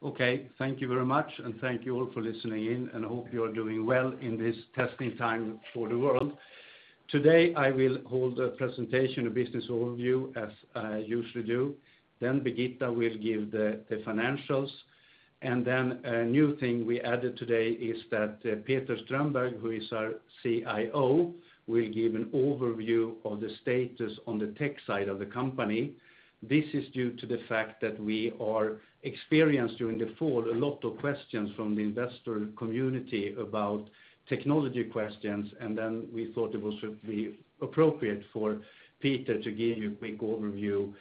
Okay, thank you very much, and thank you all for listening in, and hope you are doing well in this testing time for the world. Today, I will hold a presentation, a business overview, as I usually do. Birgitta will give the financials. A new thing we added today is that Peter Strömberg, who is our CIO, will give an overview of the status on the tech side of the company. This is due to the fact that we experienced during the fall a lot of questions from the investor community about technology questions. We thought it would be appropriate for Peter to give you a quick overview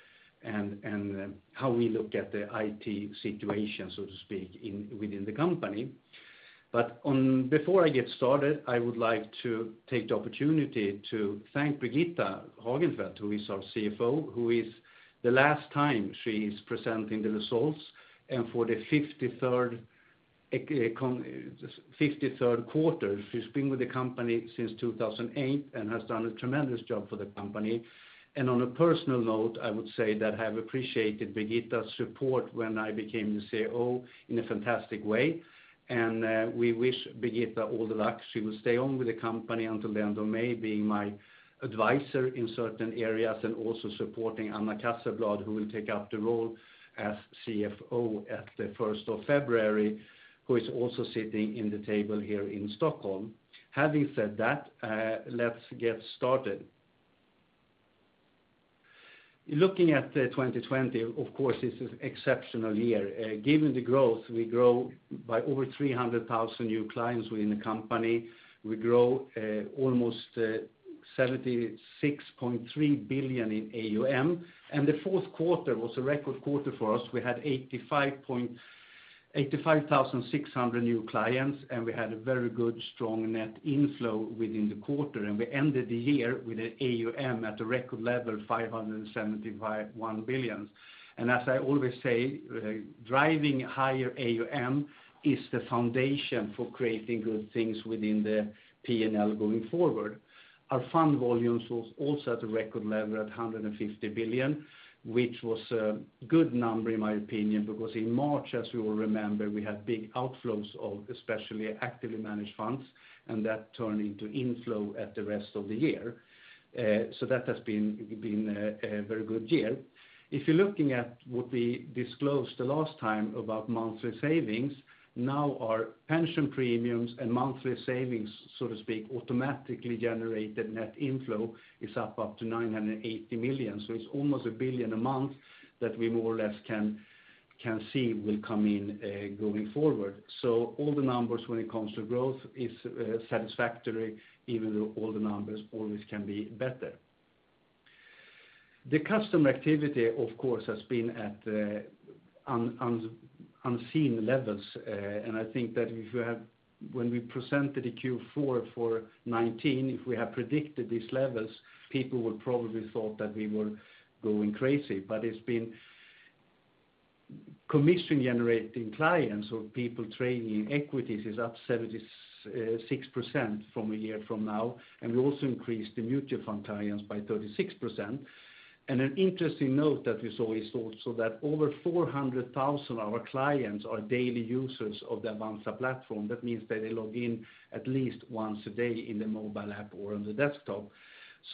and how we look at the IT situation, so to speak, within the company. Before I get started, I would like to take the opportunity to thank Birgitta Hagenfeldt, who is our CFO, who the last time she is presenting the results, and for the 53rd quarter. She's been with the company since 2008 and has done a tremendous job for the company. On a personal note, I would say that I have appreciated Birgitta's support when I became the CEO in a fantastic way. We wish Birgitta all the luck. She will stay on with the company until the end of May, being my advisor in certain areas and also supporting Anna Casselblad, who will take up the role as CFO at the 1st of February, who is also sitting in the table here in Stockholm. Having said that, let's get started. Looking at 2020, of course, it's an exceptional year. Given the growth, we grow by over 300,000 new clients within the company. We grow almost 76.3 billion in AUM. The fourth quarter was a record quarter for us. We had 85,600 new clients. We had a very good, strong net inflow within the quarter. We ended the year with an AUM at a record level, 571 billion. As I always say, driving higher AUM is the foundation for creating good things within the P&L going forward. Our fund volumes was also at a record level at 150 billion, which was a good number, in my opinion, because in March, as you will remember, we had big outflows of especially actively managed funds. That turned into inflow at the rest of the year. That has been a very good year. If you're looking at what we disclosed the last time about monthly savings, now our pension premiums and monthly savings, so to speak, automatically generated net inflow is up to 980 million. It's almost 1 billion a month that we more or less can see will come in going forward. All the numbers when it comes to growth is satisfactory, even though all the numbers always can be better. The customer activity, of course, has been at unseen levels. I think that when we presented the Q4 for 2019, if we had predicted these levels, people would probably thought that we were going crazy. It's been commission-generating clients or people trading in equities is up 76% from a year from now, and we also increased the mutual fund clients by 36%. An interesting note that we saw is also that over 400,000 of our clients are daily users of the Avanza platform. That means that they log in at least once a day in the mobile app or on the desktop.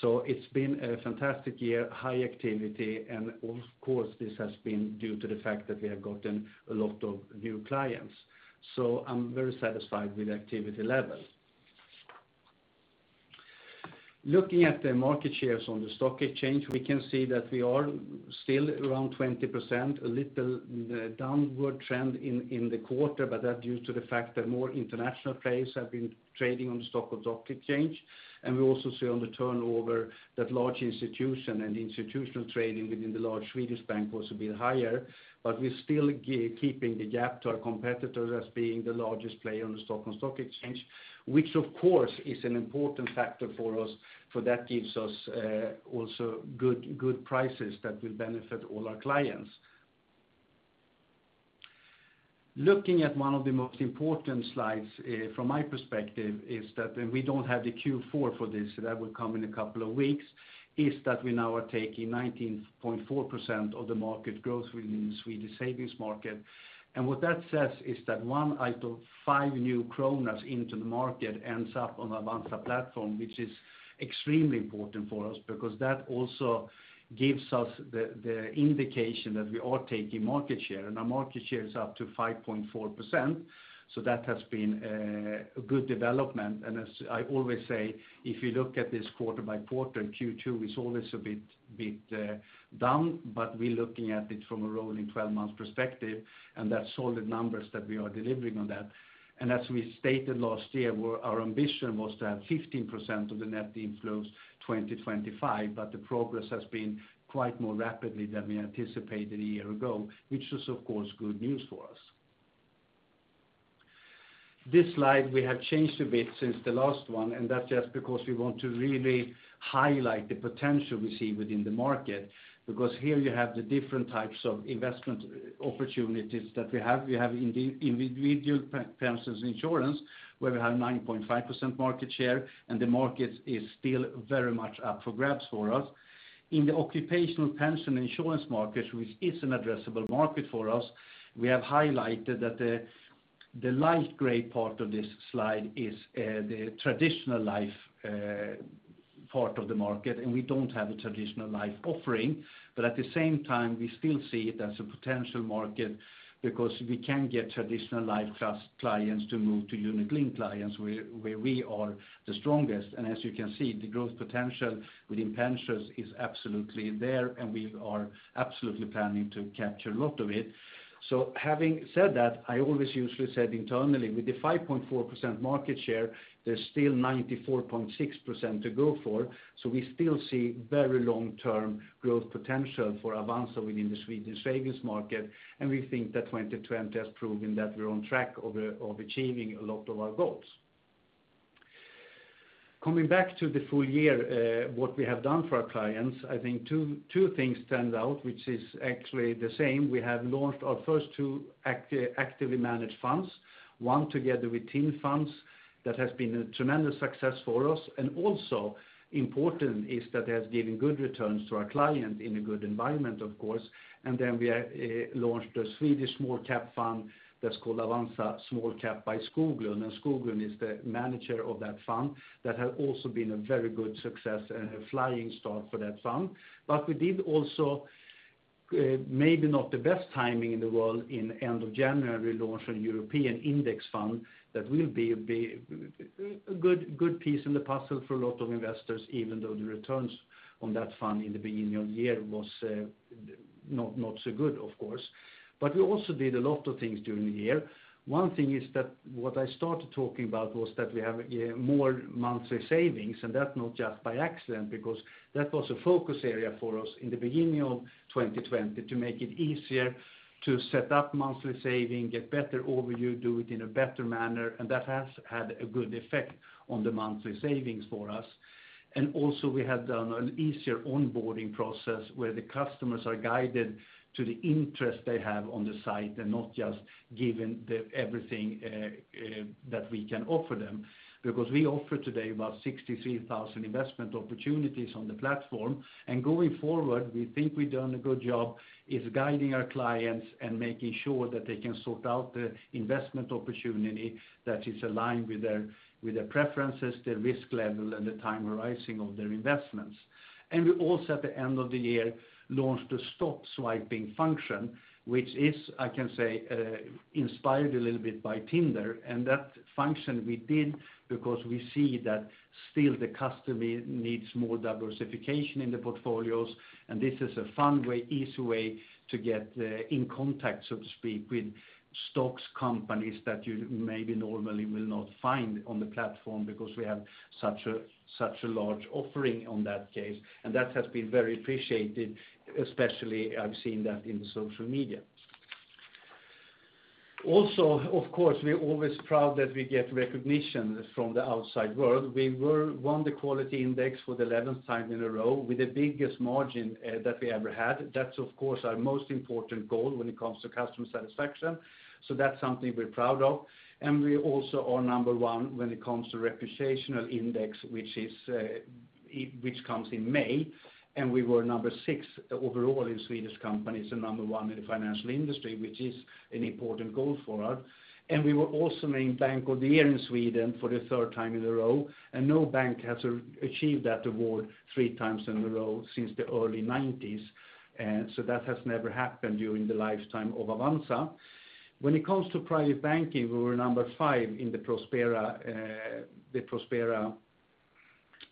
It's been a fantastic year, high activity, and of course, this has been due to the fact that we have gotten a lot of new clients. I'm very satisfied with the activity level. Looking at the market shares on the stock exchange, we can see that we are still around 20%, a little downward trend in the quarter, but that's due to the fact that more international players have been trading on the Stockholm Stock Exchange. We also see on the turnover that large institution and institutional trading within the large Swedish bank was a bit higher, but we're still keeping the gap to our competitors as being the largest player on the Stockholm Stock Exchange, which of course is an important factor for us, for that gives us also good prices that will benefit all our clients. Looking at one of the most important slides from my perspective is that we don't have the Q4 for this, so that will come in a couple of weeks, is that we now are taking 19.4% of the market growth within the Swedish savings market. What that says is that one out of five new SEK into the market ends up on the Avanza platform, which is extremely important for us because that also gives us the indication that we are taking market share. Our market share is up to 5.4%. That has been a good development. As I always say, if you look at this quarter by quarter, Q2 is always a bit down, but we're looking at it from a rolling 12 months perspective. That's solid numbers that we are delivering on that. As we stated last year, our ambition was to have 15% of the net inflows 2025. The progress has been quite more rapidly than we anticipated a year ago. This is, of course, good news for us. This slide we have changed a bit since the last one, and that's just because we want to really highlight the potential we see within the market because here you have the different types of investment opportunities that we have. We have individual pension insurance where we have 9.5% market share, and the market is still very much up for grabs for us. In the occupational pension insurance market, which is an addressable market for us, we have highlighted that the light gray part of this slide is the traditional life part of the market, and we don't have a traditional life offering. At the same time, we still see it as a potential market because we can get traditional life trust clients to move to unit-linked clients, where we are the strongest. As you can see, the growth potential within pensions is absolutely there, and we are absolutely planning to capture a lot of it. Having said that, I always usually said internally, with the 5.4% market share, there's still 94.6% to go for. We still see very long-term growth potential for Avanza within the Swedish savings market. We think that 2020 has proven that we're on track of achieving a lot of our goals. Coming back to the full year, what we have done for our clients, I think two things stand out, which is actually the same. We have launched our first two actively managed funds, one together with TIN Funds. That has been a tremendous success for us, and also important is that it has given good returns to our clients in a good environment, of course. We have launched a Swedish small cap fund that's called Avanza Småbolag by Skoglund, and Skoglund is the manager of that fund. That has also been a very good success and a flying start for that fund. We did also, maybe not the best timing in the world, in the end of January, launch a European index fund that will be a good piece in the puzzle for a lot of investors, even though the returns on that fund in the beginning of the year was not so good, of course. We also did a lot of things during the year. One thing is that what I started talking about was that we have more monthly savings, and that's not just by accident, because that was a focus area for us in the beginning of 2020 to make it easier to set up monthly saving, get better overview, do it in a better manner, and that has had a good effect on the monthly savings for us. Also, we have done an easier onboarding process where the customers are guided to the interest they have on the site and not just given everything that we can offer them because we offer today about 63,000 investment opportunities on the platform. Going forward, we think we've done a good job is guiding our clients and making sure that they can sort out the investment opportunity that is aligned with their preferences, their risk level, and the time horizon of their investments. We also at the end of the year launched a stock swiping function, which is, I can say, inspired a little bit by Tinder. That function we did because we see that still the customer needs more diversification in the portfolios. This is a fun way, easy way to get in contact, so to speak, with stocks companies that you maybe normally will not find on the platform because we have such a large offering on that case, and that has been very appreciated, especially I've seen that in social media. Of course, we're always proud that we get recognition from the outside world. We won the Quality Index for the 11th time in a row with the biggest margin that we ever had. That's, of course, our most important goal when it comes to customer satisfaction. That's something we're proud of. We also are number one when it comes to reputation index, which comes in May. We were number six overall in Swedish companies and number one in the financial industry, which is an important goal for us. We were also named Bank of the Year in Sweden for the third time in a row. No bank has achieved that award three times in a row since the early '90s. That has never happened during the lifetime of Avanza. When it comes to private banking, we were number five in the Prospera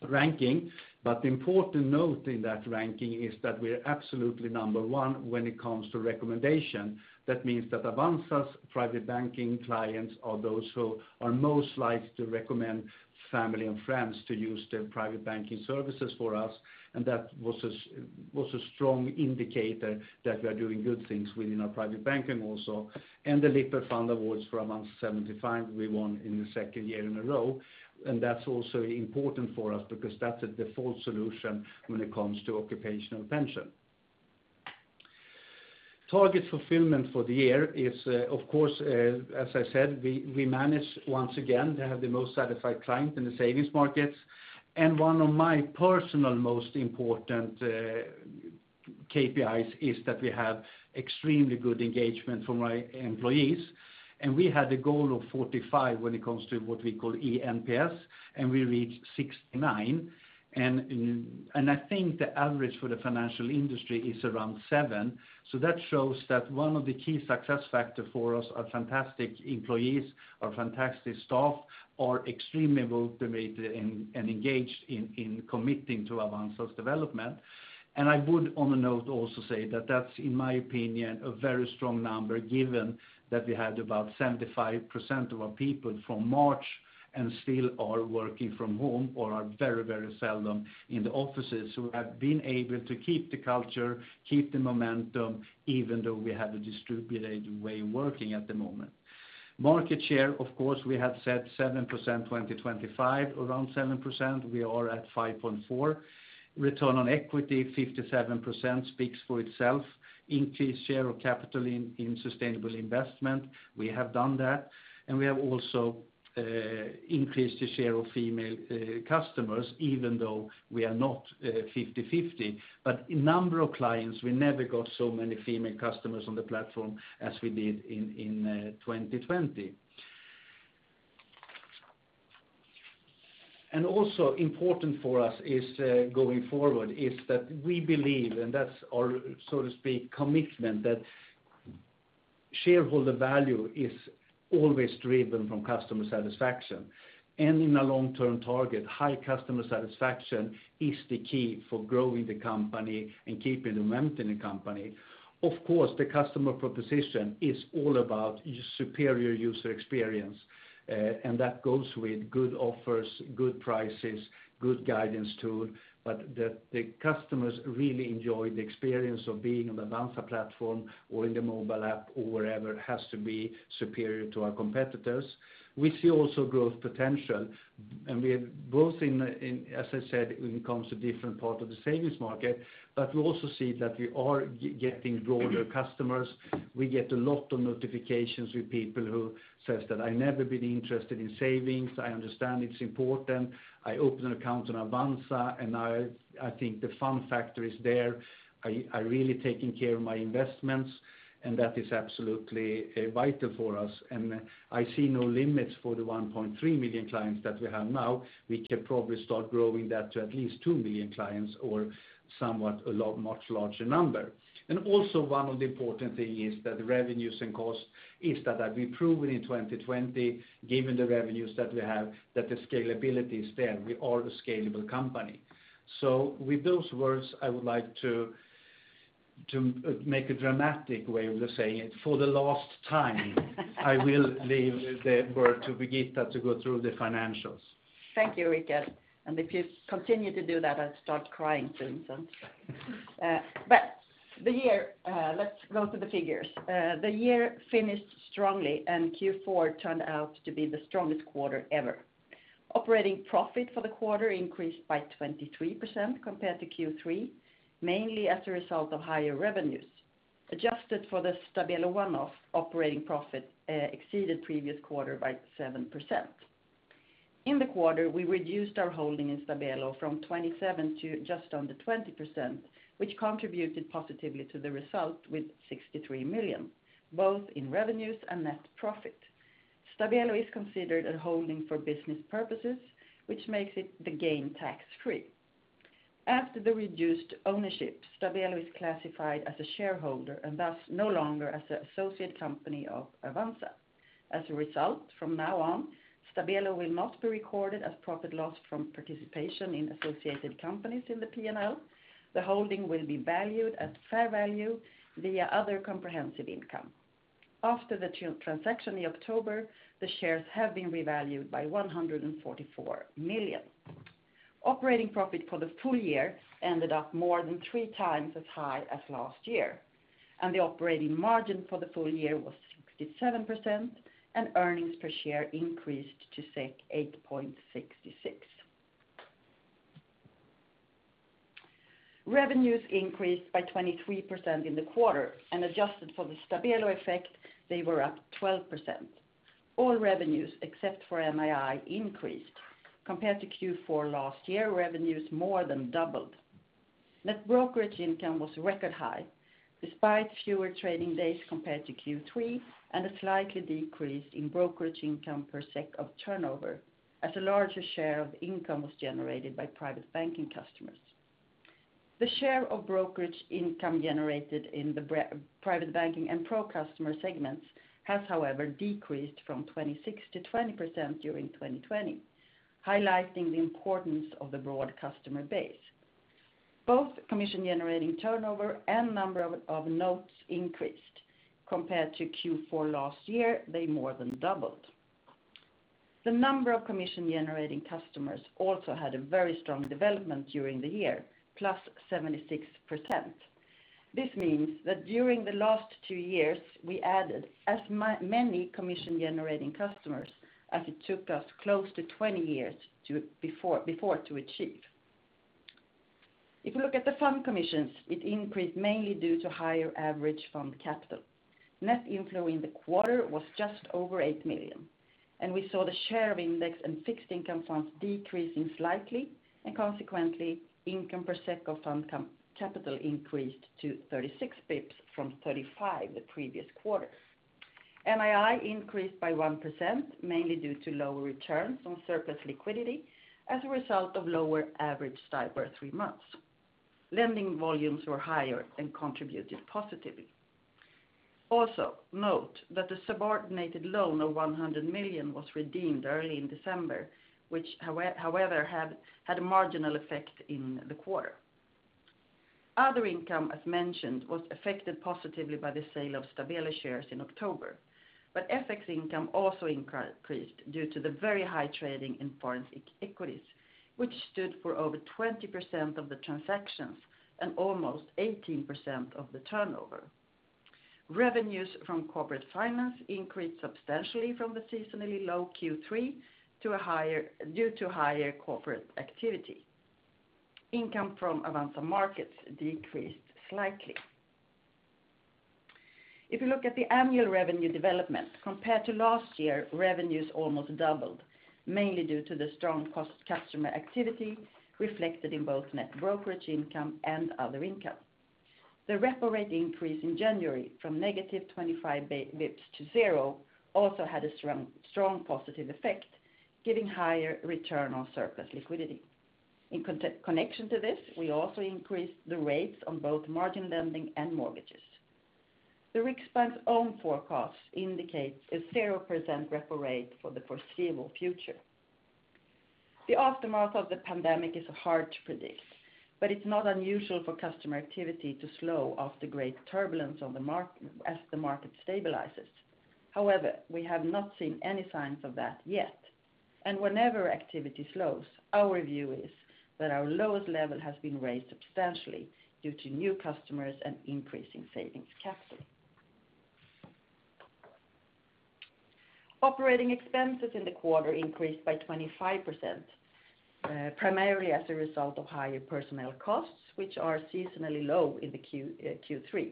ranking. The important note in that ranking is that we're absolutely number one when it comes to recommendation. That means that Avanza's private banking clients are those who are most likely to recommend family and friends to use the private banking services for us. That was a strong indicator that we are doing good things within our private banking also. The Lipper Fund Awards for among 75 we won in the second year in a row. That's also important for us because that's a default solution when it comes to occupational pension. Target fulfillment for the year is, of course, as I said, we managed once again to have the most satisfied client in the savings markets. One of my personal most important KPIs is that we have extremely good engagement from our employees. We had a goal of 45 when it comes to what we call eNPS, and we reached 69. I think the average for the financial industry is around seven. That shows that one of the key success factor for us are fantastic employees, our fantastic staff are extremely motivated and engaged in committing to Avanza's development. I would on a note also say that that's, in my opinion, a very strong number given that we had about 75% of our people from March and still are working from home or are very, very seldom in the offices who have been able to keep the culture, keep the momentum, even though we have a distributed way of working at the moment. Market share, of course, we have said 7% 2025, around 7%, we are at 5.4. Return on equity, 57% speaks for itself. Increased share of capital in sustainable investment, we have done that. We have also increased the share of female customers, even though we are not 50/50. In number of clients, we never got so many female customers on the platform as we did in 2020. Also important for us going forward is that we believe, and that's our, so to speak, commitment, that shareholder value is always driven from customer satisfaction. In a long-term target, high customer satisfaction is the key for growing the company and keeping the momentum in the company. Of course, the customer proposition is all about superior user experience, and that goes with good offers, good prices, good guidance tool, but the customers really enjoy the experience of being on the Avanza platform or in the mobile app or wherever has to be superior to our competitors. We see also growth potential, and we have growth as I said, when it comes to different part of the savings market, but we also see that we are getting broader customers. We get a lot of notifications with people who says that, "I never been interested in savings. I understand it's important. I open an account on Avanza, and now I think the fun factor is there. I really taking care of my investments," and that is absolutely vital for us. I see no limits for the 1.3 million clients that we have now. We can probably start growing that to at least 2 million clients or somewhat a much larger number. Also one of the important thing is that revenues and cost is that we've proven in 2020, given the revenues that we have, that the scalability is there. We are a scalable company. With those words, I would like to make a dramatic way of saying it. For the last time, I will leave the floor to Birgitta to go through the financials. Thank you, Rikard. If you continue to do that, I'll start crying soon. Let's go to the figures. The year finished strongly, and Q4 turned out to be the strongest quarter ever. Operating profit for the quarter increased by 23% compared to Q3, mainly as a result of higher revenues. Adjusted for the Stabelo one-off operating profit exceeded previous quarter by 7%. In the quarter, we reduced our holding in Stabelo from 27 to just under 20%, which contributed positively to the result with 63 million, both in revenues and net profit. Stabelo is considered a holding for business purposes, which makes it the gain tax-free. After the reduced ownership, Stabelo is classified as a shareholder and thus no longer as an associate company of Avanza. As a result, from now on, Stabelo will not be recorded as profit loss from participation in associated companies in the P&L. The holding will be valued at fair value via other comprehensive income. After the transaction in October, the shares have been revalued by 144 million. Operating profit for the full year ended up more than 3x as high as last year, and the operating margin for the full year was 67%, and earnings per share increased to 8.66. Revenues increased by 23% in the quarter and adjusted for the Stabelo effect, they were up 12%. All revenues except for NII increased. Compared to Q4 last year, revenues more than doubled. Net brokerage income was record high despite fewer trading days compared to Q3 and a slightly decrease in brokerage income per SEK of turnover as a larger share of income was generated by private banking customers. The share of brokerage income generated in the private banking and pro customer segments has, however, decreased from 26% to 20% during 2020, highlighting the importance of the broad customer base. Both commission-generating turnover and number of notes increased. Compared to Q4 last year, they more than doubled. The number of commission-generating customers also had a very strong development during the year, +76%. This means that during the last two years, we added as many commission-generating customers as it took us close to 20 years before to achieve. If you look at the fund commissions, it increased mainly due to higher average fund capital. Net inflow in the quarter was just over 8 million, and we saw the share of index and fixed income funds decreasing slightly, and consequently, income per SEK of fund capital increased to 36 basis points from 35 basis points the previous quarter. NII increased by 1%, mainly due to lower returns on surplus liquidity as a result of lower average STIBOR three months. Lending volumes were higher and contributed positively. Also, note that the subordinated loan of 100 million was redeemed early in December, which however had a marginal effect in the quarter. Other income, as mentioned, was affected positively by the sale of Stabelo shares in October. FX income also increased due to the very high trading in foreign equities, which stood for over 20% of the transactions and almost 18% of the turnover. Revenues from corporate finance increased substantially from the seasonally low Q3 due to higher corporate activity. Income from Avanza Markets decreased slightly. If you look at the annual revenue development compared to last year, revenues almost doubled, mainly due to the strong customer activity reflected in both net brokerage income and other income. The repo rate increase in January from -25 basis points to zero also had a strong positive effect, giving higher return on surplus liquidity. In connection to this, we also increased the rates on both margin lending and mortgages. The Riksbank's own forecast indicates a 0% repo rate for the foreseeable future. The aftermath of the pandemic is hard to predict, but it's not unusual for customer activity to slow after great turbulence as the market stabilizes. However, we have not seen any signs of that yet. Whenever activity slows, our view is that our lowest level has been raised substantially due to new customers and increasing savings capital. Operating expenses in the quarter increased by 25%, primarily as a result of higher personnel costs, which are seasonally low in the Q3.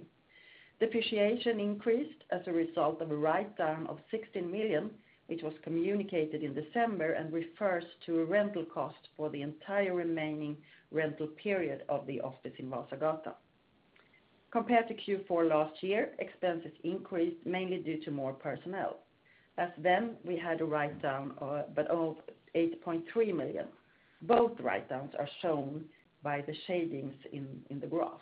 Depreciation increased as a result of a writedown of 16 million, which was communicated in December and refers to a rental cost for the entire remaining rental period of the office in Vasagatan. Compared to Q4 last year, expenses increased mainly due to more personnel. As then, we had a writedown but of 8.3 million. Both writedowns are shown by the shadings in the graph.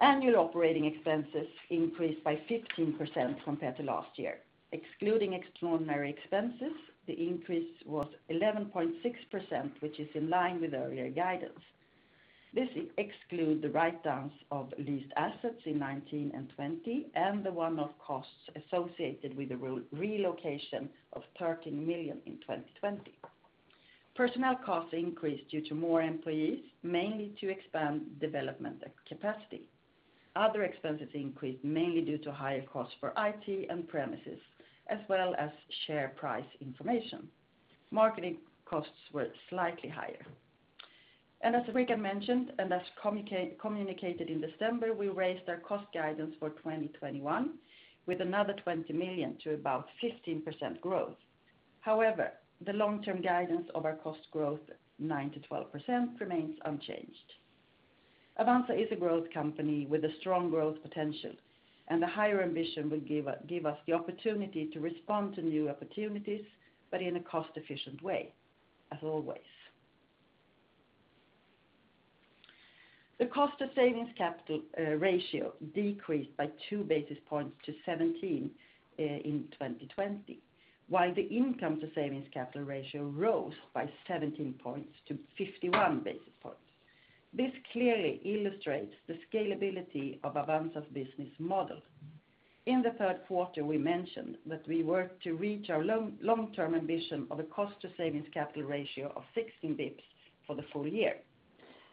Annual operating expenses increased by 15% compared to last year. Excluding extraordinary expenses, the increase was 11.6%, which is in line with earlier guidance. This excludes the writedowns of leased assets in 2019 and 2020 and the one-off costs associated with the relocation of 13 million in 2020. Personnel costs increased due to more employees, mainly to expand development and capacity. Other expenses increased mainly due to higher costs for IT and premises as well as share price information. Marketing costs were slightly higher. As Rikard mentioned, and as communicated in December, we raised our cost guidance for 2021 with another 20 million to about 15% growth. However, the long-term guidance of our cost growth, 9%-12%, remains unchanged. Avanza is a growth company with a strong growth potential, and a higher ambition will give us the opportunity to respond to new opportunities, but in a cost-efficient way, as always. The cost to savings capital ratio decreased by 2 basis points to 17 in 2020, while the income to savings capital ratio rose by 17 points to 51 basis points. This clearly illustrates the scalability of Avanza's business model. In the third quarter, we mentioned that we worked to reach our long-term ambition of a cost to savings capital ratio of 16 basis points for the full year.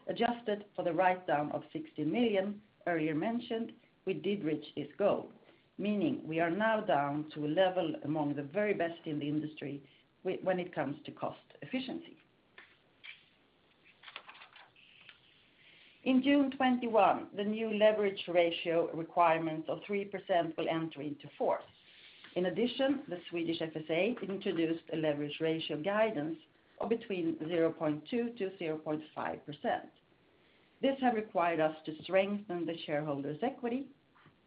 Adjusted for the writedown of 16 million earlier mentioned, we did reach this goal, meaning we are now down to a level among the very best in the industry when it comes to cost efficiency. In June 2021, the new leverage ratio requirement of 3% will enter into force. In addition, the Swedish FSA introduced a leverage ratio guidance of between 0.2%-0.5%. This has required us to strengthen the shareholders' equity,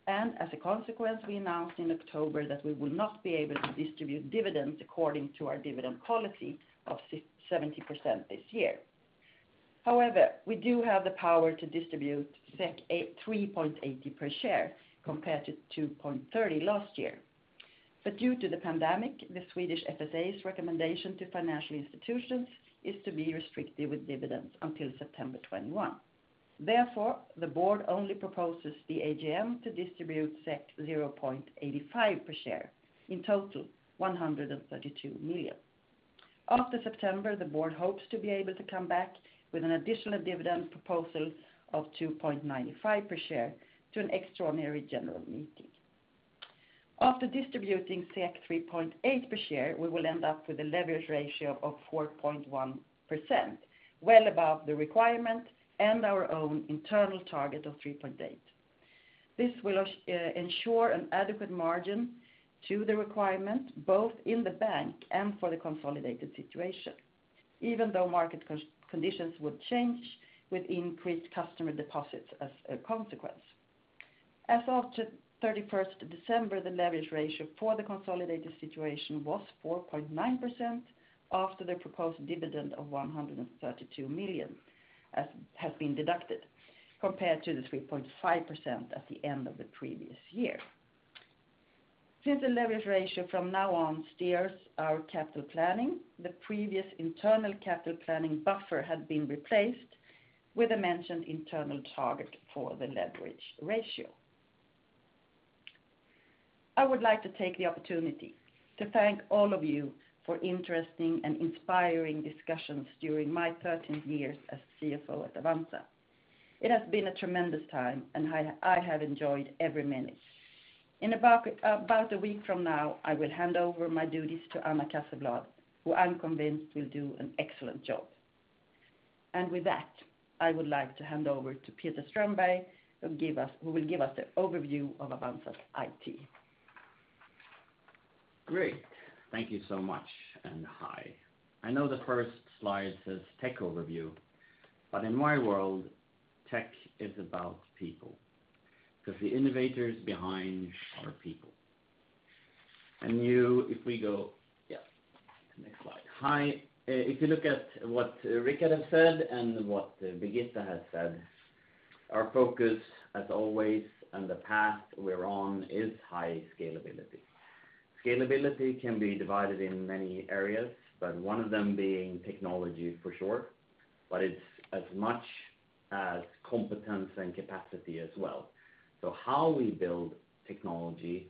and as a consequence, we announced in October that we will not be able to distribute dividends according to our dividend policy of 70% this year. However, we do have the power to distribute 3.80 per share compared to 2.30 last year. Due to the pandemic, the Swedish FSA's recommendation to financial institutions is to be restrictive with dividends until September 2021. Therefore, the board only proposes the AGM to distribute 0.85 per share, in total 132 million. After September 2021, the board hopes to be able to come back with an additional dividend proposal of 2.95 per share to an extraordinary general meeting. After distributing 3.8 per share, we will end up with a leverage ratio of 4.1%, well above the requirement and our own internal target of 3.8%. This will ensure an adequate margin to the requirement, both in the bank and for the consolidated situation, even though market conditions would change with increased customer deposits as a consequence. As of 31st of December, the leverage ratio for the consolidated situation was 4.9% after the proposed dividend of 132 million has been deducted, compared to the 3.5% at the end of the previous year. Since the leverage ratio from now on steers our capital planning, the previous internal capital planning buffer had been replaced with a mentioned internal target for the leverage ratio. I would like to take the opportunity to thank all of you for interesting and inspiring discussions during my 13 years as CFO at Avanza. It has been a tremendous time, and I have enjoyed every minute. In about a week from now, I will hand over my duties to Anna Casselblad, who I'm convinced will do an excellent job. With that, I would like to hand over to Peter Strömberg, who will give us the overview of Avanza's IT. Great. Thank you so much. Hi. I know the first slide says tech overview, but in my world, tech is about people, because the innovators behind are people. You, if we go to next slide. Hi. If you look at what Rikard has said and what Birgitta has said, our focus, as always, and the path we're on is high scalability. Scalability can be divided in many areas, but one of them being technology for sure, but it's as much as competence and capacity as well. How we build technology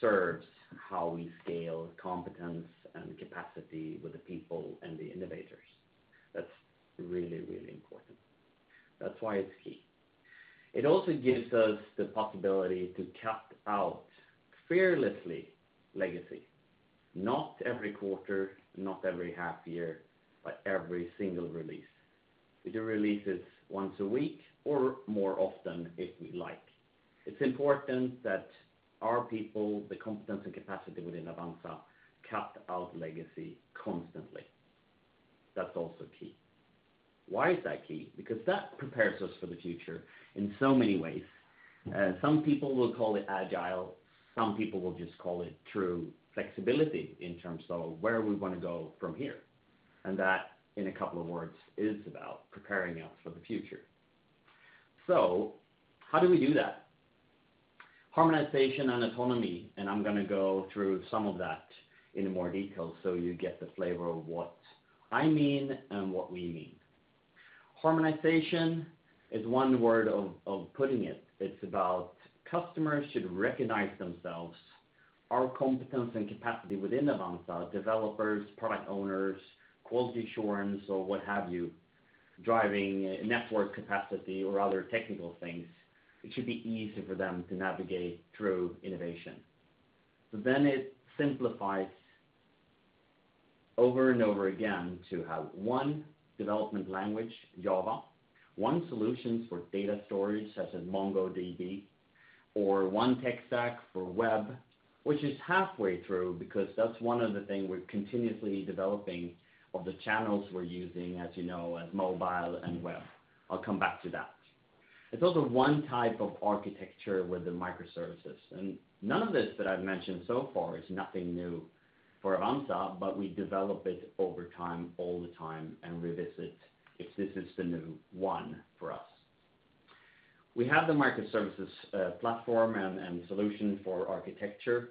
serves how we scale competence and capacity with the people and the innovators. That's really important. That's why it's key. It also gives us the possibility to cut out fearlessly legacy, not every quarter, not every half year, but every single release. We do releases once a week or more often if we like. It's important that our people, the competence and capacity within Avanza, cut out legacy constantly. That is also key. Why is that key? That prepares us for the future in so many ways. Some people will call it agile, some people will just call it true flexibility in terms of where we want to go from here. That, in a couple of words, is about preparing us for the future. How do we do that? Harmonization and autonomy. I'm going to go through some of that into more detail so you get the flavor of what I mean and what we mean. Harmonization is one word of putting it. It's about customers should recognize themselves, our competence and capacity within Avanza, developers, product owners, quality assurance, or what have you, driving network capacity or other technical things. It should be easy for them to navigate through innovation. It simplifies over and over again to have one development language, Java, one solution for data storage, such as MongoDB, or one tech stack for web, which is halfway through because that's one of the things we're continuously developing of the channels we're using, as you know, as mobile and web. I'll come back to that. It's also one type of architecture with the microservices. None of this that I've mentioned so far is nothing new for Avanza, but we develop it over time, all the time, and revisit if this is the new one for us. We have the microservices platform and solution for architecture.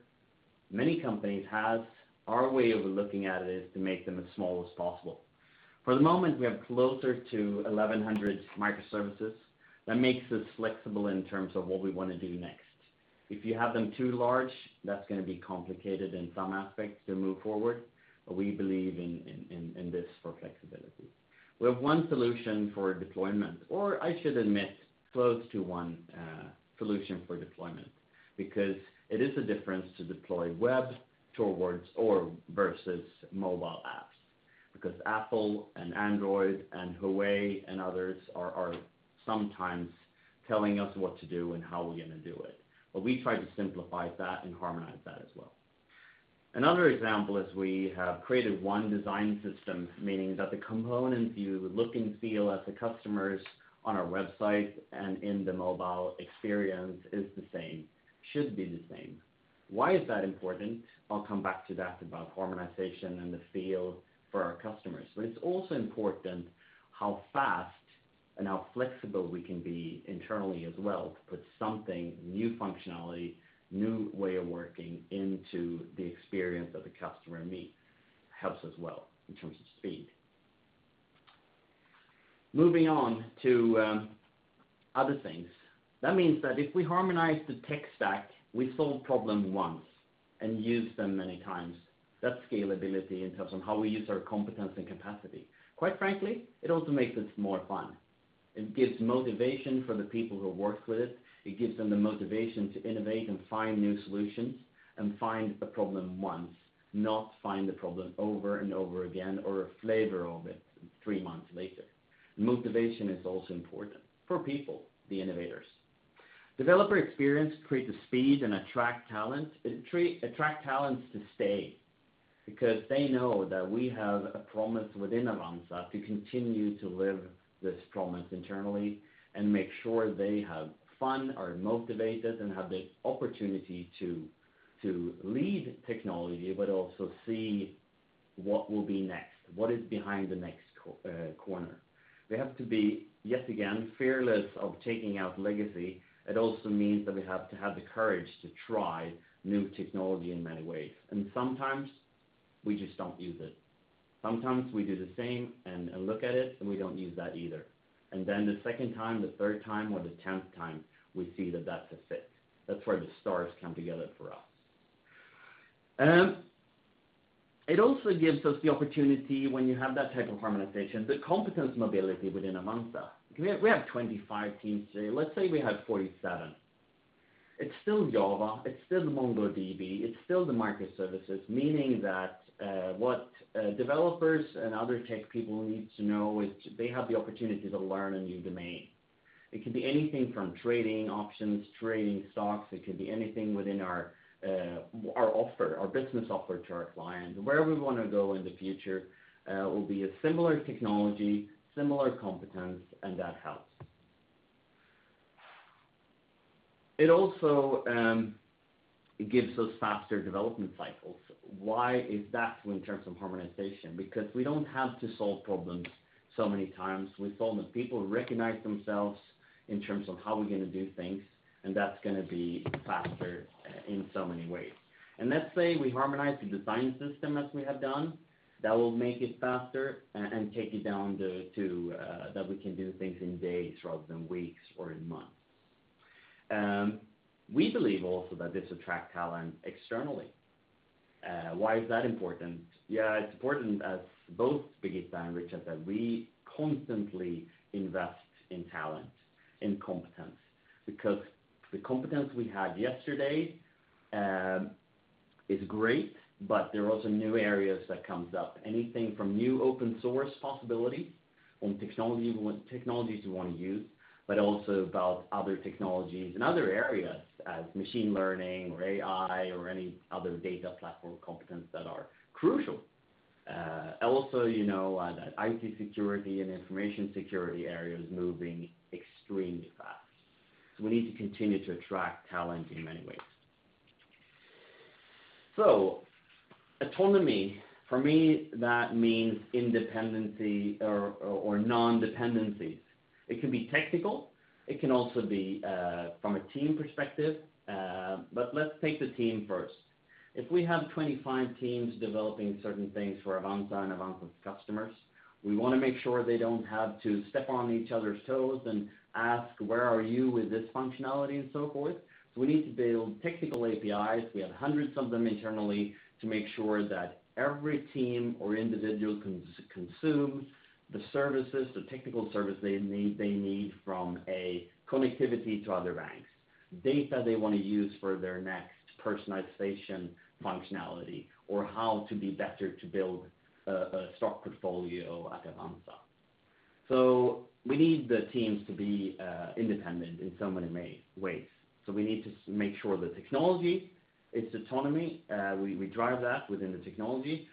Many companies have. Our way of looking at it is to make them as small as possible. For the moment, we have closer to 1,100 microservices. That makes us flexible in terms of what we want to do next. If you have them too large, that's going to be complicated in some aspects to move forward. We believe in this for flexibility. We have one solution for deployment, or I should admit, close to one solution for deployment because it is a difference to deploy web towards or versus mobile apps, because Apple and Android and Huawei and others are sometimes telling us what to do and how we're going to do it. We try to simplify that and harmonize that as well. Another example is we have created one design system, meaning that the components you look and feel as the customers on our website and in the mobile experience is the same, should be the same. Why is that important? I'll come back to that about harmonization and the feel for our customers. It's also important how fast and how flexible we can be internally as well to put something, new functionality, new way of working into the experience that the customer meet helps as well in terms of speed. Moving on to other things. That means that if we harmonize the tech stack, we solve problems once and use them many times. That's scalability in terms of how we use our competence and capacity. Quite frankly, it also makes it more fun. It gives motivation for the people who work with it. It gives them the motivation to innovate and find new solutions and find a problem once, not find the problem over and over again or a flavor of it three months later. Motivation is also important for people, the innovators. Developer experience creates speed and attract talent to stay because they know that we have a promise within Avanza to continue to live this promise internally and make sure they have fun, are motivated, and have the opportunity to lead technology, but also see what will be next, what is behind the next corner. They have to be, yet again, fearless of taking out legacy. It also means that we have to have the courage to try new technology in many ways. Sometimes we just don't use it. Sometimes we do the same and look at it, and we don't use that either. Then the second time, the third time, or the 10th time, we see that that's a fit. That's where the stars come together for us. It also gives us the opportunity when you have that type of harmonization, the competence mobility within Avanza. We have 25 teams today. Let's say we have 47. It's still Java, it's still MongoDB, it's still the microservices, meaning that what developers and other tech people need to know is they have the opportunity to learn a new domain. It can be anything from trading options, trading stocks, it can be anything within our business offer to our clients. Where we want to go in the future will be a similar technology, similar competence, and that helps. It also gives us faster development cycles. Why is that in terms of harmonization? Because we don't have to solve problems so many times. We've found that people recognize themselves in terms of how we're going to do things, and that's going to be faster in so many ways. Let's say we harmonize the design system as we have done, that will make it faster and take it down to that we can do things in days rather than weeks or in months. We believe also that this attracts talent externally. Why is that important? Yeah, it's important as both Birgitta and Rikard said, we constantly invest in talent and competence, because the competence we had yesterday is great, but there are also new areas that comes up. Anything from new open source possibility on technologies we want to use, but also about other technologies and other areas as machine learning or AI or any other data platform competence that are crucial. That IT security and information security area is moving extremely fast. We need to continue to attract talent in many ways. Autonomy, for me, that means independency or non-dependency. It can be technical, it can also be from a team perspective. Let's take the team first. If we have 25 teams developing certain things for Avanza and Avanza's customers, we want to make sure they don't have to step on each other's toes and ask, "Where are you with this functionality?" and so forth. We need to build technical APIs, we have hundreds of them internally, to make sure that every team or individual can consume the services, the technical service they need from a connectivity to other banks, data they want to use for their next personalization functionality, or how to be better to build a stock portfolio at Avanza. We need the teams to be independent in so many ways. We need to make sure the technology, its autonomy, we drive that within the technology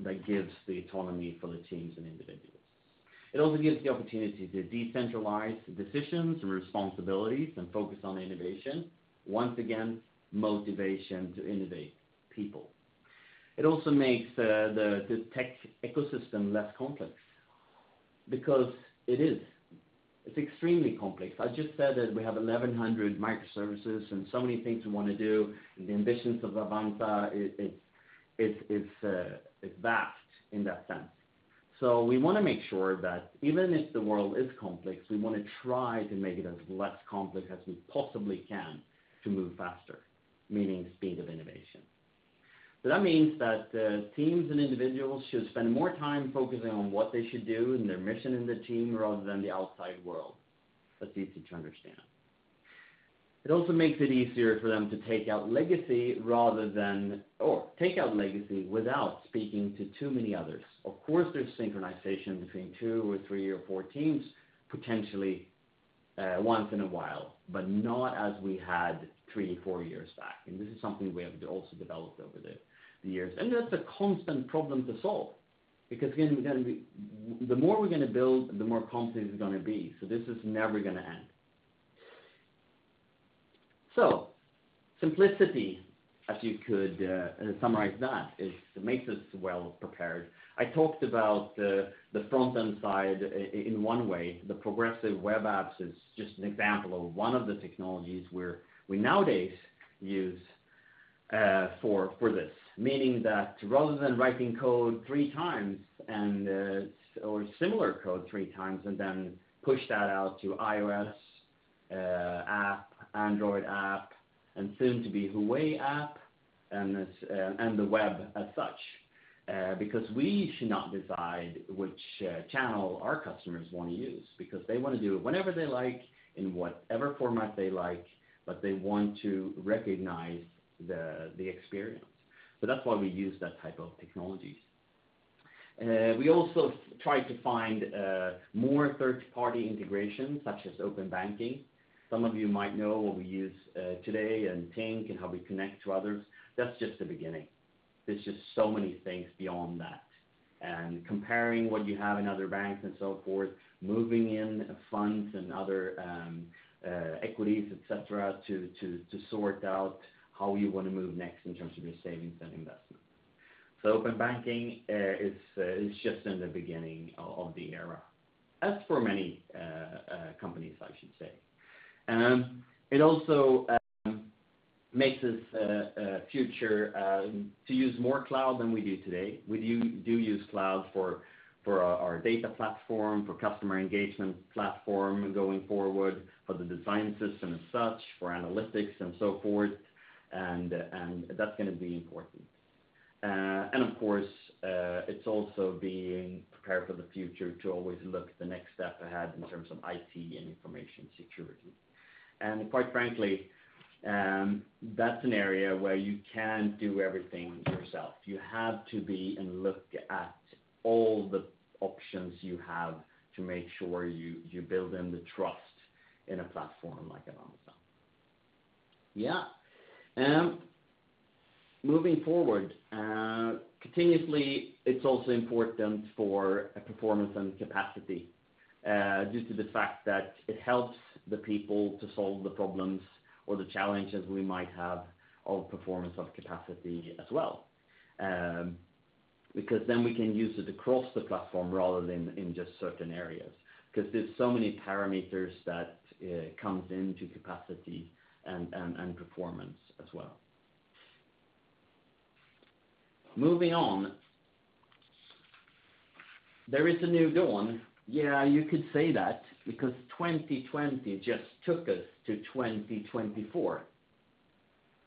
that gives the autonomy for the teams and individuals. It also gives the opportunity to decentralize decisions and responsibilities and focus on innovation. Once again, motivation to innovate people. It also makes the tech ecosystem less complex because it's extremely complex. I just said that we have 1,100 microservices and so many things we want to do, and the ambitions of Avanza is vast in that sense. We want to make sure that even if the world is complex, we want to try to make it as less complex as we possibly can to move faster, meaning speed of innovation. That means that teams and individuals should spend more time focusing on what they should do and their mission in the team rather than the outside world. That's easy to understand. It also makes it easier for them to take out legacy without speaking to too many others. Of course, there's synchronization between two or three or four teams, potentially once in a while, but not as we had three, four years back. This is something we have also developed over the years. That's a constant problem to solve. Again, the more we're going to build, the more complex it's going to be. This is never going to end. Simplicity, as you could summarize that, it makes us well prepared. I talked about the front-end side in one way. The progressive web apps is just an example of one of the technologies where we nowadays use for this. Meaning that rather than writing code three times or similar code three times and then push that out to iOS app, Android app, and soon to be Huawei app, and the web as such. We should not decide which channel our customers want to use, because they want to do it whenever they like, in whatever format they like, but they want to recognize the experience. That's why we use that type of technologies. We also try to find more third-party integration, such as open banking. Some of you might know what we use today in Tink and how we connect to others. That's just the beginning. There's just so many things beyond that. Comparing what you have in other banks and so forth, moving in funds and other equities, et cetera, to sort out how you want to move next in terms of your savings and investments. Open banking is just in the beginning of the era, as for many companies, I should say. It also makes us future to use more cloud than we do today. We do use cloud for our data platform, for customer engagement platform going forward, for the design system as such, for analytics and so forth. That's going to be important. Of course, it's also being prepared for the future to always look the next step ahead in terms of IT and information security. Quite frankly, that's an area where you can't do everything yourself. You have to be and look at all the options you have to make sure you build in the trust in a platform like at Avanza. Yeah. Moving forward, continuously, it's also important for performance and capacity due to the fact that it helps the people to solve the problems or the challenges we might have of performance, of capacity as well. Then we can use it across the platform rather than in just certain areas, because there's so many parameters that comes into capacity and performance as well. Moving on, there is a new dawn. Yeah, you could say that because 2020 just took us to 2024.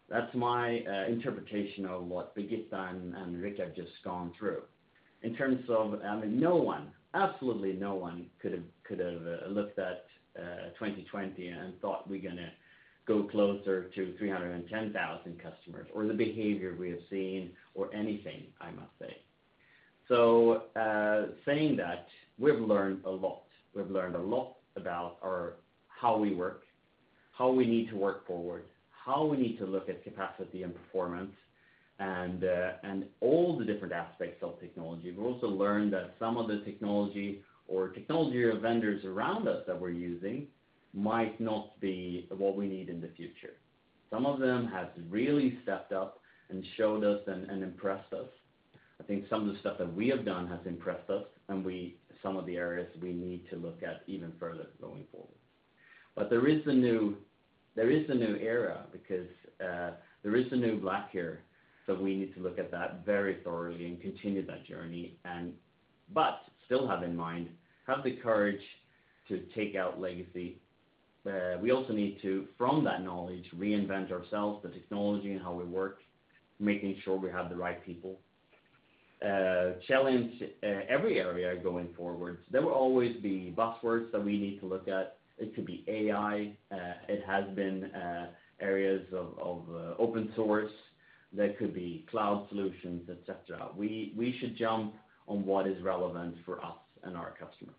That's my interpretation of what Birgitta and Rick have just gone through. No one, absolutely no one could have looked at 2020 and thought we're going to go closer to 310,000 customers or the behavior we have seen or anything, I must say. Saying that, we've learned a lot. We've learned a lot about how we work, how we need to work forward, how we need to look at capacity and performance and all the different aspects of technology. We've also learned that some of the technology or vendors around us that we're using might not be what we need in the future. Some of them have really stepped up and showed us and impressed us. I think some of the stuff that we have done has impressed us and some of the areas we need to look at even further going forward. There is a new era because there is a new black here. We need to look at that very thoroughly and continue that journey, but still have in mind, have the courage to take out legacy. We also need to, from that knowledge, reinvent ourselves, the technology and how we work, making sure we have the right people. Challenge every area going forward. There will always be buzzwords that we need to look at. It could be AI. It has been areas of open source. There could be cloud solutions, et cetera. We should jump on what is relevant for us and our customers.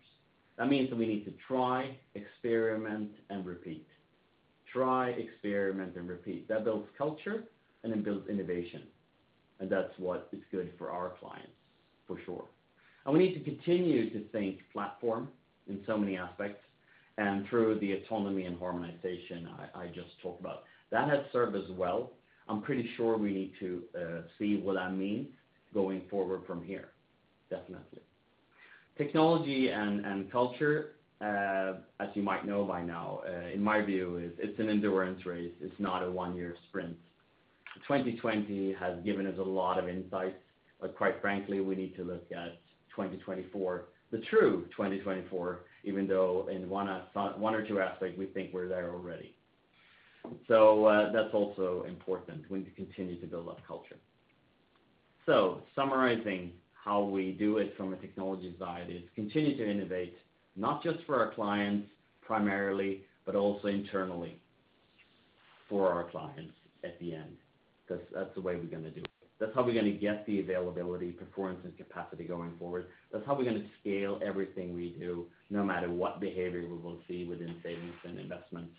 That means that we need to try, experiment, and repeat. Try, experiment, and repeat. That builds culture and it builds innovation and that's what is good for our clients for sure. We need to continue to think platform in so many aspects and through the autonomy and harmonization I just talked about. That has served us well. I'm pretty sure we need to see what that means going forward from here. Definitely. Technology and culture, as you might know by now, in my view is it's an endurance race. It's not a one-year sprint. 2020 has given us a lot of insights, but quite frankly, we need to look at 2024, the true 2024, even though in one or two aspects we think we're there already. That's also important. We need to continue to build that culture. Summarizing how we do it from a technology side is continue to innovate not just for our clients primarily, but also internally for our clients at the end, because that's the way we're going to do it. That's how we're going to get the availability, performance, and capacity going forward. That's how we're going to scale everything we do no matter what behavior we will see within savings and investments.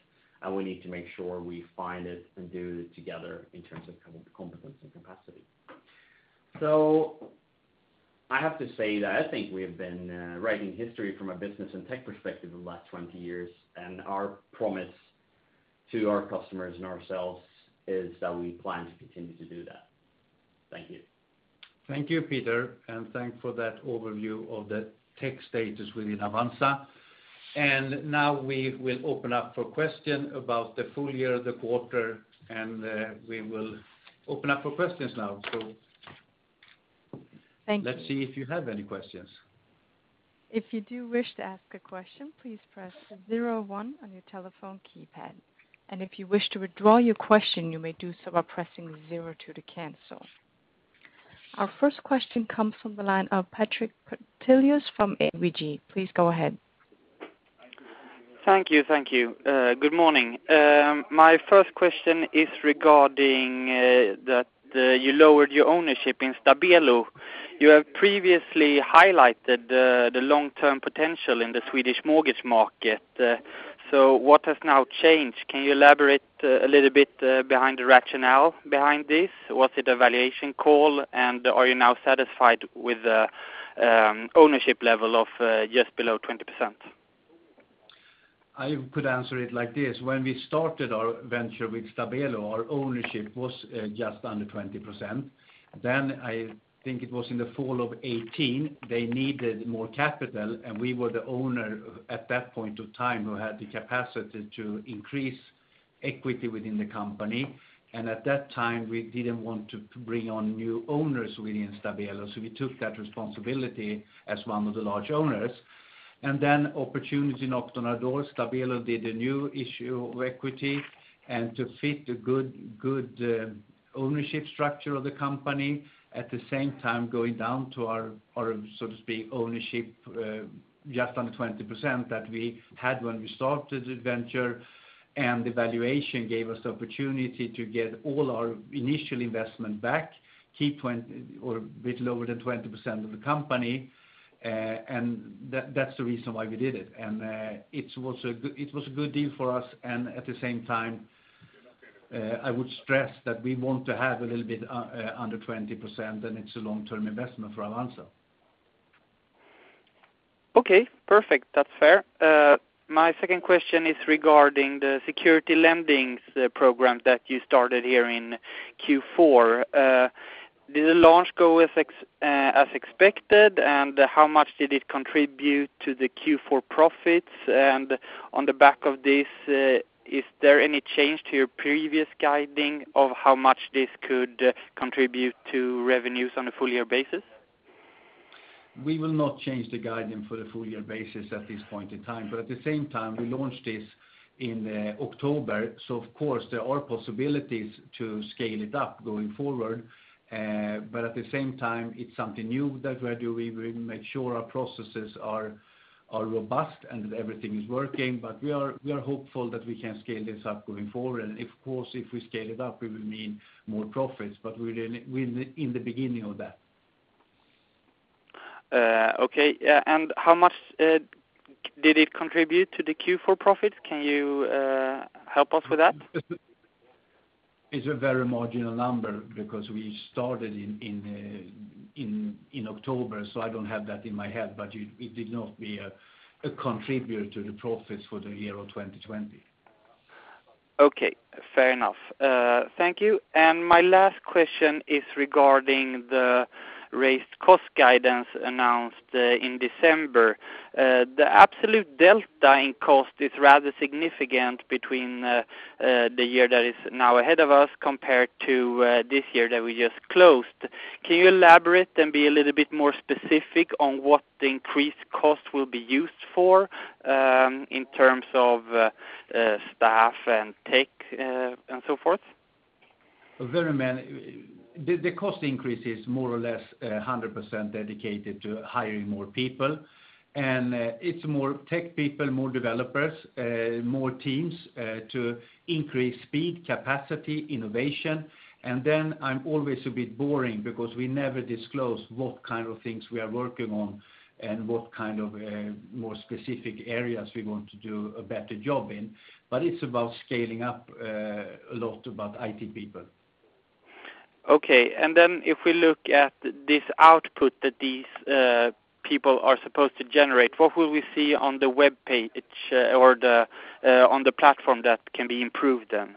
We need to make sure we find it and do it together in terms of competence and capacity. I have to say that I think we have been writing history from a business and tech perspective the last 20 years and our promise to our customers and ourselves is that we plan to continue to do that. Thank you. Thank you, Peter, thanks for that overview of the tech status within Avanza. Now we will open up for question about the full year, the quarter, and we will open up for questions now. Thank you. Let's see if you have any questions. If you do wish to ask a question, please press zero one on your telephone keypad. If you wish to withdraw your question, you may do so by pressing zero two to cancel. Our first question comes from the line of Patrik Brattelius from ABG. Please go ahead. Thank you. Good morning. My first question is regarding that you lowered your ownership in Stabelo. You have previously highlighted the long-term potential in the Swedish mortgage market. What has now changed? Can you elaborate a little bit behind the rationale behind this? Was it a valuation call and are you now satisfied with the ownership level of just below 20%? I could answer it like this. When we started our venture with Stabelo, our ownership was just under 20%. I think it was in the fall of 2018, they needed more capital and we were the owner at that point of time who had the capacity to increase equity within the company. At that time, we didn't want to bring on new owners within Stabelo, so we took that responsibility as one of the large owners. Opportunity knocked on our door. Stabelo did a new issue of equity and to fit the good ownership structure of the company at the same time going down to our, so to speak, ownership just under 20% that we had when we started the venture. The valuation gave us the opportunity to get all our initial investment back, keep a bit lower than 20% of the company, and that's the reason why we did it. It was a good deal for us, and at the same time, I would stress that we want to have a little bit under 20%, and it's a long-term investment for Avanza. Okay, perfect. That's fair. My second question is regarding the security lendings program that you started here in Q4. Did the launch go as expected, and how much did it contribute to the Q4 profits? On the back of this, is there any change to your previous guiding of how much this could contribute to revenues on a full-year basis? We will not change the guidance for the full-year basis at this point in time. We launched this in October, so of course, there are possibilities to scale it up going forward. It's something new that we will make sure our processes are robust and everything is working. We are hopeful that we can scale this up going forward. If we scale it up, it will mean more profits, but we're in the beginning of that. Okay. How much did it contribute to the Q4 profit? Can you help us with that? It's a very marginal number because we started in October, so I don't have that in my head, but it did not be a contributor to the profits for the year of 2020. Okay, fair enough. Thank you. My last question is regarding the raised cost guidance announced in December. The absolute delta in cost is rather significant between the year that is now ahead of us compared to this year that we just closed. Can you elaborate and be a little bit more specific on what the increased cost will be used for in terms of staff and tech and so forth? The cost increase is more or less 100% dedicated to hiring more people. It's more tech people, more developers, more teams to increase speed, capacity, innovation. I'm always a bit boring because we never disclose what kind of things we are working on and what kind of more specific areas we want to do a better job in. It's about scaling up a lot about IT people. Okay. If we look at this output that these people are supposed to generate, what will we see on the webpage or on the platform that can be improved then?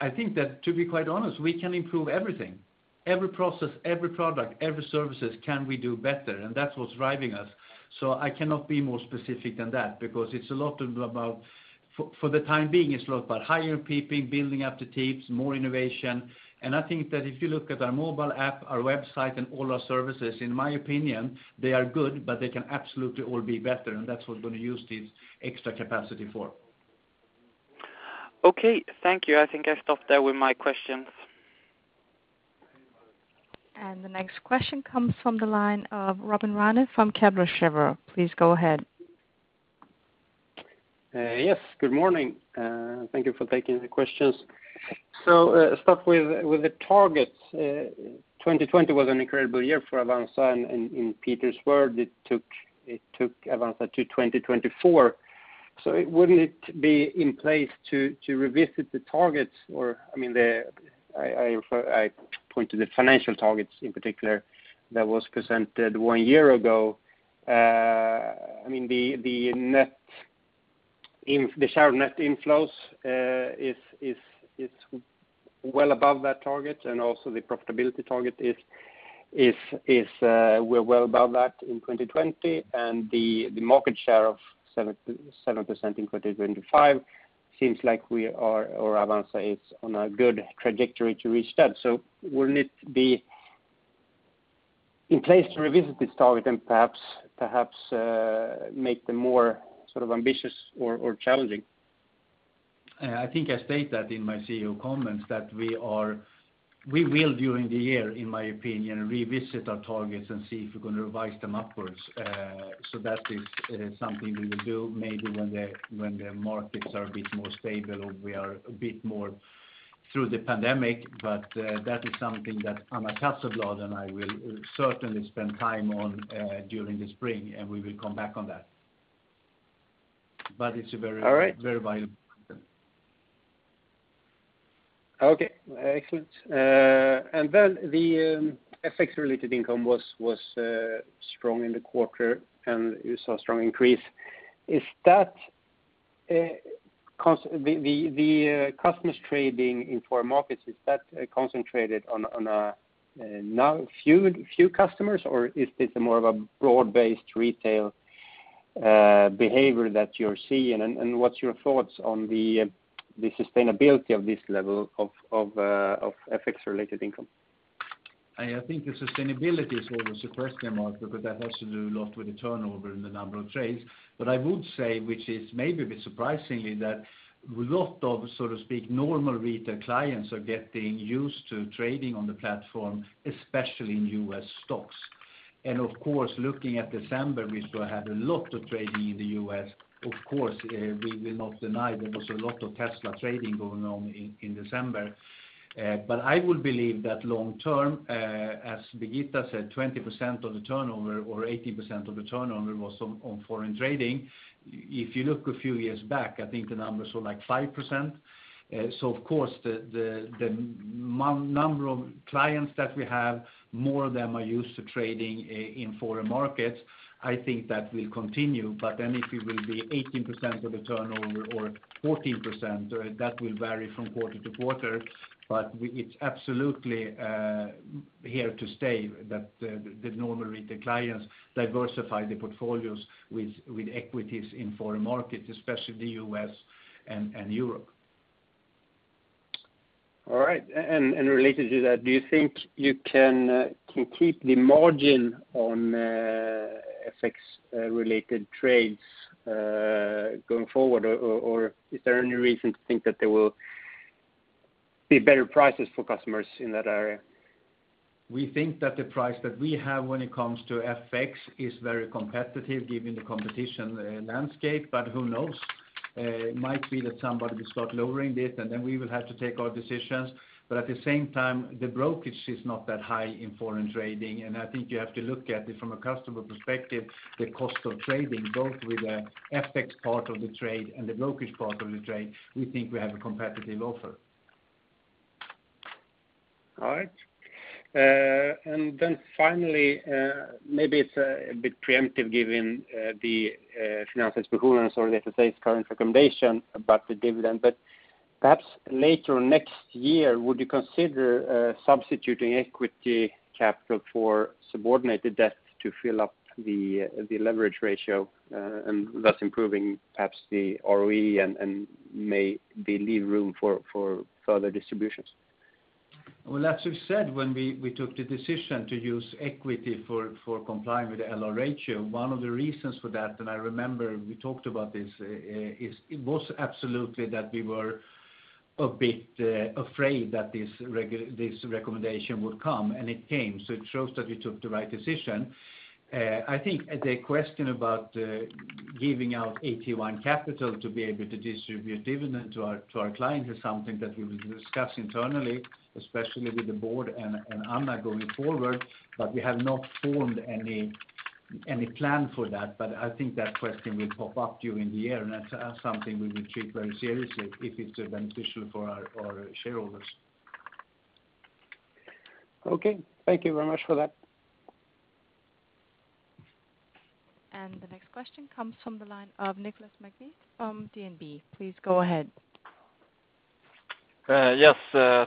I think that, to be quite honest, we can improve everything. Every process, every product, every services can we do better. That's what's driving us. I cannot be more specific than that because for the time being, it's a lot about hiring people, building up the teams, more innovation. I think that if you look at our mobile app, our website, and all our services, in my opinion, they are good, but they can absolutely all be better, and that's what we're going to use this extra capacity for. Okay, thank you. I think I stop there with my questions. The next question comes from the line of Robin Rane from Kepler Cheuvreux. Please go ahead. Yes, good morning. Thank you for taking the questions. Start with the targets. 2020 was an incredible year for Avanza, in Peter's word, it took Avanza to 2024. Wouldn't it be in place to revisit the targets? I point to the financial targets in particular that was presented one year ago. The share of net inflows is well above that target. Also the profitability target we're well above that in 2020. The market share of 7% in 2025 seems like Avanza is on a good trajectory to reach that. Wouldn't it be in place to revisit this target and perhaps make them more ambitious or challenging? I think I state that in my CEO comments that we will, during the year, in my opinion, revisit our targets and see if we're going to revise them upwards. That is something we will do maybe when the markets are a bit more stable or we are a bit more through the pandemic. That is something that Anna Casselblad and I will certainly spend time on during the spring, and we will come back on that. All right. viable question. Okay, excellent. The FX-related income was strong in the quarter. You saw a strong increase. The customers trading in foreign markets, is that concentrated on a few customers, or is this more of a broad-based retail behavior that you're seeing? What's your thoughts on the sustainability of this level of FX-related income? I think the sustainability is always the first remark because that has to do a lot with the turnover and the number of trades. I would say, which is maybe a bit surprisingly, that a lot of, so to speak, normal retail clients are getting used to trading on the platform, especially in U.S. stocks. Looking at December, we still have a lot of trading in the U.S. We will not deny there was a lot of Tesla trading going on in December. I would believe that long term, as Birgitta said, 20% of the turnover or 18% of the turnover was on foreign trading. If you look a few years back, I think the numbers were like 5%. Of course, the number of clients that we have, more of them are used to trading in foreign markets. I think that will continue, but then if it will be 18% of the turnover or 14%, that will vary from quarter to quarter. It's absolutely here to stay that the normal retail clients diversify their portfolios with equities in foreign markets, especially the U.S. and Europe. All right. Related to that, do you think you can keep the margin on FX-related trades going forward? Is there any reason to think that there will be better prices for customers in that area? We think that the price that we have when it comes to FX is very competitive given the competition landscape, but who knows? It might be that somebody will start lowering this, and then we will have to take our decisions. At the same time, the brokerage is not that high in foreign trading, and I think you have to look at it from a customer perspective, the cost of trading, both with the FX part of the trade and the brokerage part of the trade. We think we have a competitive offer. All right. Finally, maybe it's a bit preemptive given the Finansinspektionen or the FSA's current recommendation about the dividend, but perhaps later next year, would you consider substituting equity capital for subordinated debt to fill up the leverage ratio, and thus improving perhaps the ROE and maybe leave room for further distributions? As we've said, when we took the decision to use equity for complying with the leverage ratio, one of the reasons for that, and I remember we talked about this, is it was absolutely that we were a bit afraid that this recommendation would come, and it came. It shows that we took the right decision. I think the question about giving out AT1 capital to be able to distribute dividend to our clients is something that we will discuss internally, especially with the board and Anna going forward. We have not formed any plan for that. I think that question will pop up during the year, and that's something we will treat very seriously if it's beneficial for our shareholders. Okay. Thank you very much for that. The next question comes from the line of [Niklas Magne] from DNB. Please go ahead. Yes.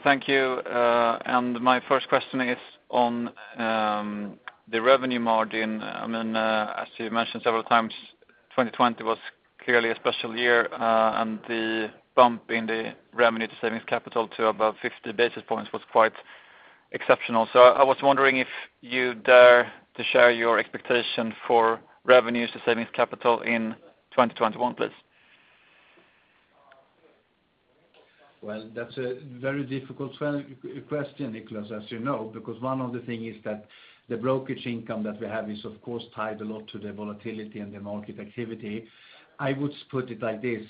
Thank you. My first question is on the revenue margin. As you mentioned several times, 2020 was clearly a special year, and the bump in the revenue to savings capital to above 50 basis points was quite exceptional. I was wondering if you dare to share your expectation for revenues to savings capital in 2021, please. Well, that's a very difficult question, [Niklas], as you know, because one of the things is that the brokerage income that we have is, of course, tied a lot to the volatility and the market activity. I would put it like this.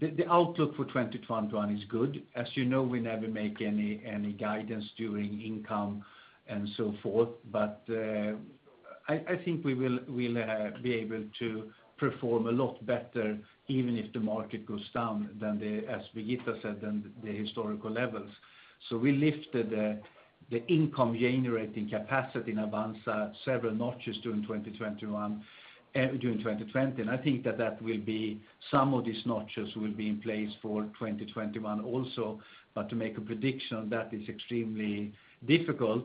The outlook for 2021 is good. As you know, we never make any guidance during income and so forth. I think we will be able to perform a lot better, even if the market goes down, as Birgitta said, than the historical levels. We lifted the income-generating capacity in Avanza several notches during 2020. I think that some of these notches will be in place for 2021 also. To make a prediction on that is extremely difficult.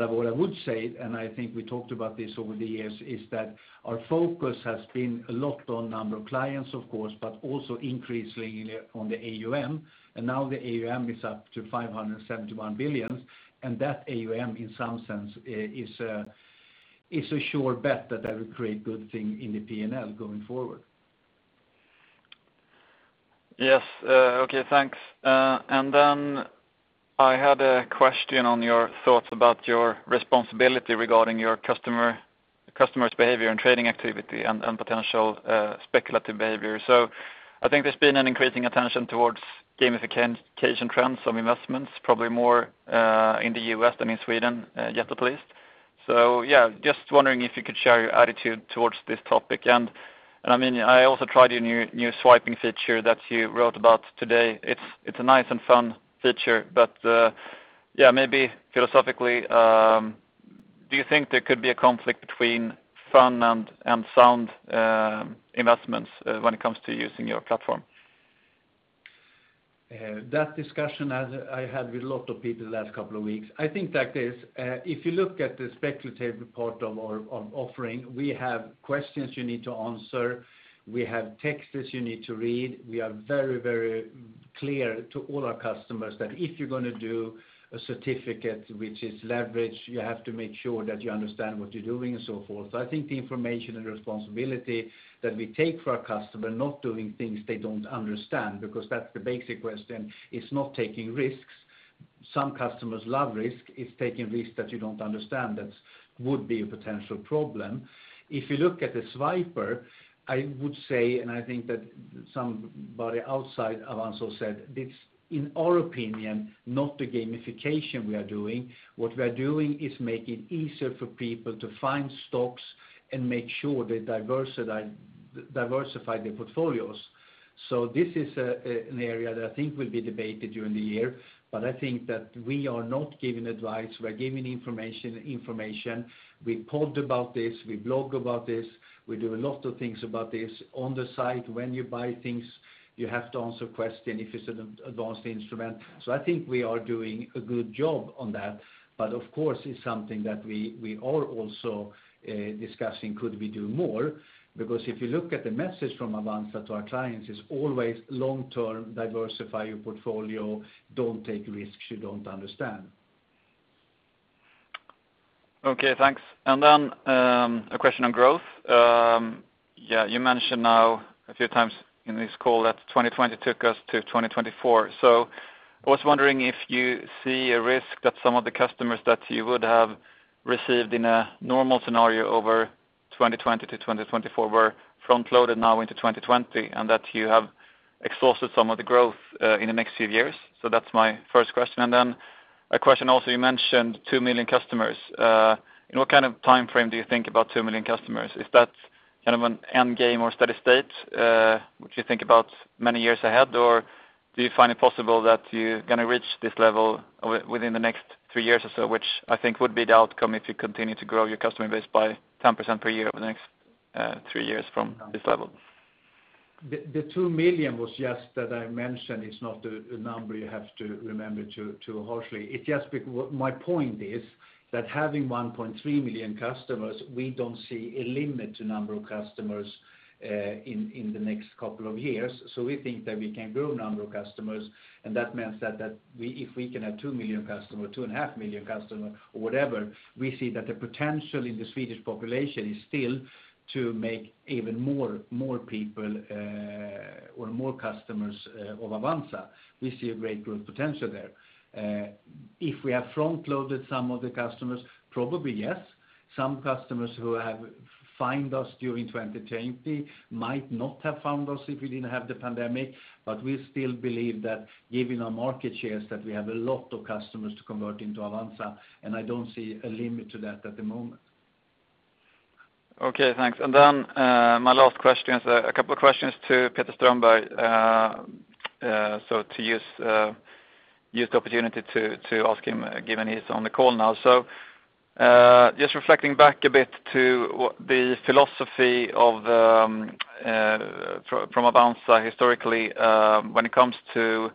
What I would say, and I think we talked about this over the years, is that our focus has been a lot on number of clients, of course, but also increasingly on the AUM. Now the AUM is up to 571 billion. That AUM, in some sense, is a sure bet that that will create good things in the P&L going forward. Yes. Okay, thanks. I had a question on your thoughts about your responsibility regarding your customers' behavior and trading activity and potential speculative behavior. I think there's been an increasing attention towards gamification trends of investments, probably more in the U.S. than in Sweden, yet at least. Yeah, just wondering if you could share your attitude towards this topic. I also tried your new swiping feature that you wrote about today. It's a nice and fun feature, but maybe philosophically, do you think there could be a conflict between fun and sound investments when it comes to using your platform? That discussion I had with a lot of people the last couple of weeks. I think like this, if you look at the speculative part of our offering, we have questions you need to answer. We have texts you need to read. We are very clear to all our customers that if you're going to do a certificate which is leveraged, you have to make sure that you understand what you're doing and so forth. I think the information and responsibility that we take for our customer not doing things they don't understand, because that's the basic question, is not taking risks. Some customers love risk. It's taking risk that you don't understand that would be a potential problem. If you look at the Swiper, I would say, and I think that somebody outside Avanza said, this, in our opinion, not the gamification we are doing. What we are doing is making it easier for people to find stocks and make sure they diversify their portfolios. This is an area that I think will be debated during the year, but I think that we are not giving advice, we are giving information. We podded about this, we blog about this, we do a lot of things about this on the site. When you buy things, you have to answer question if it's an advanced instrument. I think we are doing a good job on that, but of course, it's something that we are also discussing, could we do more? If you look at the message from Avanza to our clients, it's always long-term diversify your portfolio, don't take risks you don't understand. Okay, thanks. Then, a question on growth. You mentioned now a few times in this call that 2020 took us to 2024. I was wondering if you see a risk that some of the customers that you would have received in a normal scenario over 2020-2024 were front-loaded now into 2020, and that you have exhausted some of the growth in the next few years. That's my first question. Then a question also, you mentioned 2 million customers. In what kind of timeframe do you think about 2 million customers? Is that an end game or steady state which you think about many years ahead, or do you find it possible that you're going to reach this level within the next three years or so, which I think would be the outcome if you continue to grow your customer base by 10% per year over the next three years from this level? The 2 million was just that I mentioned, it's not a number you have to remember too harshly. My point is that having 1.3 million customers, we don't see a limit to number of customers in the next couple of years. We think that we can grow number of customers, and that means that if we can have 2 million customers, 2.5 million customers or whatever, we see that the potential in the Swedish population is still to make even more people or more customers of Avanza. We see a great growth potential there. If we have front-loaded some of the customers, probably, yes. Some customers who have find us during 2020 might not have found us if we didn't have the pandemic. We still believe that given our market shares, that we have a lot of customers to convert into Avanza. I don't see a limit to that at the moment. Okay, thanks. My last question is a couple of questions to Peter Strömberg, so to use the opportunity to ask him, given he's on the call now. Just reflecting back a bit to what the philosophy from Avanza historically, when it comes to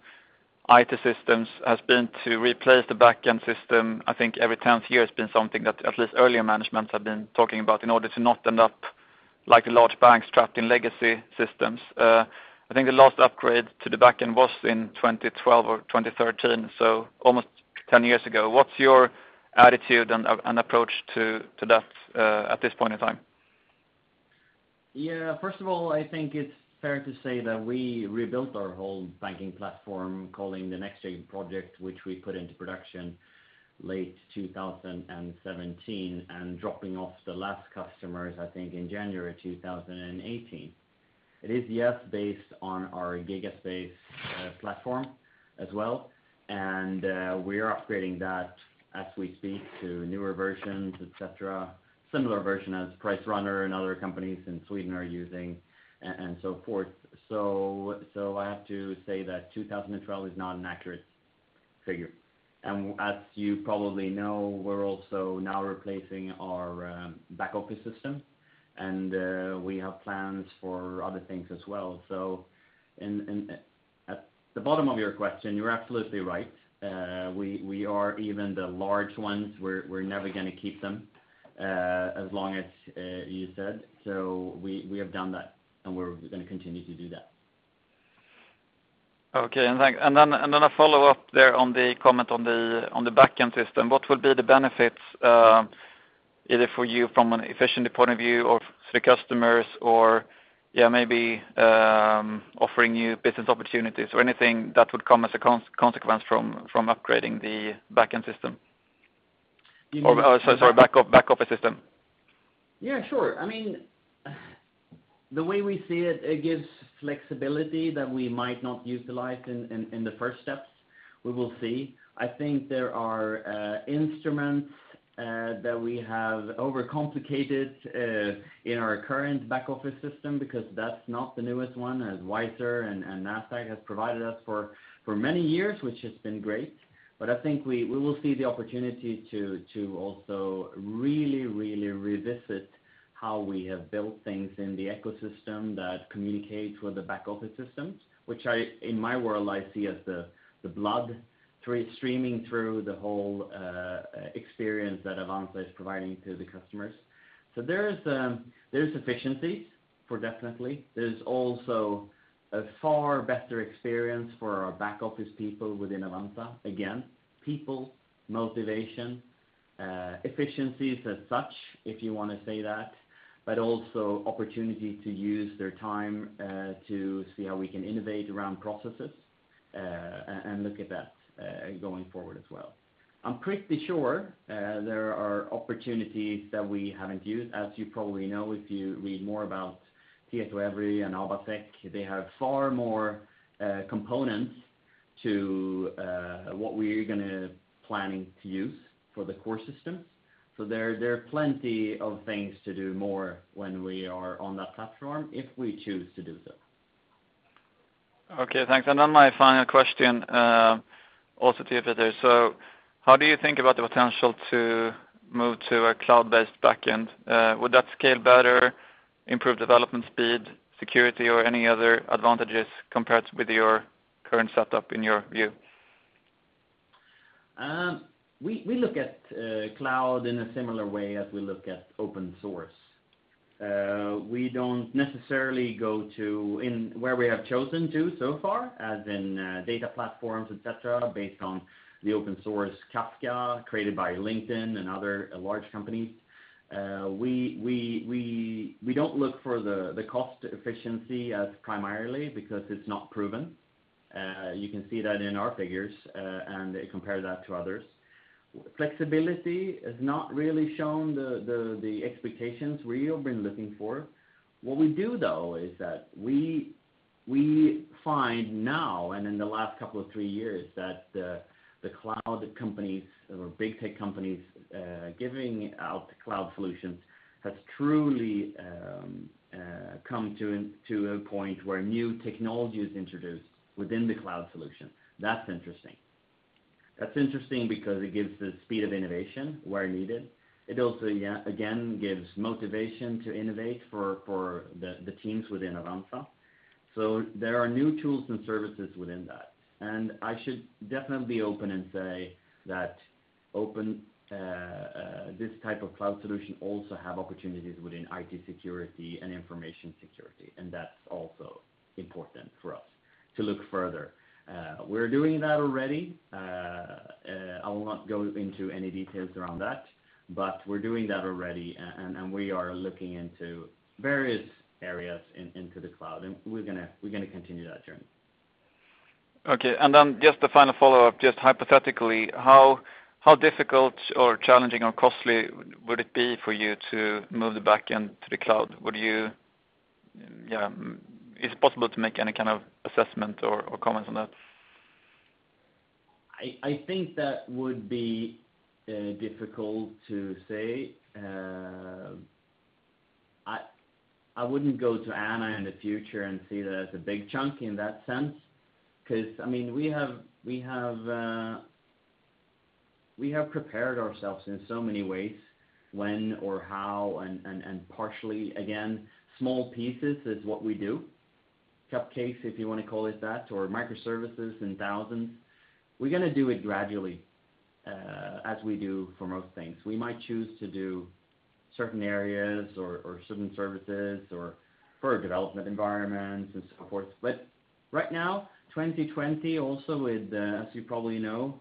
IT systems, has been to replace the backend system, I think every 10th year has been something that at least earlier management have been talking about in order to not end up like a large bank strapped in legacy systems. I think the last upgrade to the backend was in 2012 or 2013, so almost 10 years ago. What's your attitude and approach to that at this point in time? First of all, I think it's fair to say that we rebuilt our whole banking platform, calling the NextGen project, which we put into production late 2017, and dropping off the last customers, I think, in January 2018. It is, yes, based on our GigaSpaces platform as well, and we are upgrading that as we speak to newer versions, et cetera. Similar version as PriceRunner and other companies in Sweden are using, and so forth. I have to say that 2012 is not an accurate figure. As you probably know, we're also now replacing our back office system, and we have plans for other things as well. At the bottom of your question, you're absolutely right. We are even the large ones, we're never going to keep them as long as you said. We have done that, and we're going to continue to do that. Okay, thanks. Then a follow-up there on the comment on the backend system. What will be the benefits, either for you from an efficiency point of view or for the customers or maybe offering you business opportunities or anything that would come as a consequence from upgrading the backend system, or sorry, back office system? Yeah, sure. The way we see it gives flexibility that we might not utilize in the first steps. We will see. I think there are instruments that we have overcomplicated in our current back office system because that's not the newest one, as Wisr and Nasdaq has provided us for many years, which has been great. I think we will see the opportunity to also really, really revisit how we have built things in the ecosystem that communicates with the back office systems, which in my world, I see as the blood streaming through the whole experience that Avanza is providing to the customers. There's efficiencies for definitely. There's also a far better experience for our back office people within Avanza. Again, people, motivation Efficiencies as such, if you want to say that, but also opportunity to use their time to see how we can innovate around processes, and look at that going forward as well. I'm pretty sure there are opportunities that we haven't used. As you probably know, if you read more about TietoEVRY and Abatek, they have far more components to what we're going to plan to use for the core system. There are plenty of things to do more when we are on that platform, if we choose to do so. Okay, thanks. My final question, also to you, Peter. How do you think about the potential to move to a cloud-based back end? Would that scale better, improve development speed, security, or any other advantages compared with your current setup in your view? We look at cloud in a similar way as we look at open source. We don't necessarily go to where we have chosen to so far, as in data platforms, et cetera, based on the open source Kafka created by LinkedIn and other large companies. We don't look for the cost efficiency as primarily because it's not proven. You can see that in our figures, and compare that to others. Flexibility has not really shown the expectations we have been looking for. What we do though is that we find now and in the last couple of three years that the cloud companies or big tech companies giving out cloud solutions has truly come to a point where new technology is introduced within the cloud solution. That's interesting. That's interesting because it gives the speed of innovation where needed. It also, again, gives motivation to innovate for the teams within Avanza. There are new tools and services within that. I should definitely be open and say that this type of cloud solution also have opportunities within IT security and information security, and that's also important for us to look further. We're doing that already. I will not go into any details around that, but we're doing that already, and we are looking into various areas into the cloud, and we're going to continue that journey. Okay, just the final follow-up, just hypothetically, how difficult or challenging or costly would it be for you to move the back end to the cloud? Is it possible to make any kind of assessment or comments on that? I think that would be difficult to say. I wouldn't go to Anna in the future and see that as a big chunk in that sense. We have prepared ourselves in so many ways when or how, and partially, again, small pieces is what we do. Cupcakes, if you want to call it that, or microservices in thousands. We're going to do it gradually, as we do for most things. We might choose to do certain areas or certain services or for a development environment and so forth. Right now, 2020, also with, as you probably know,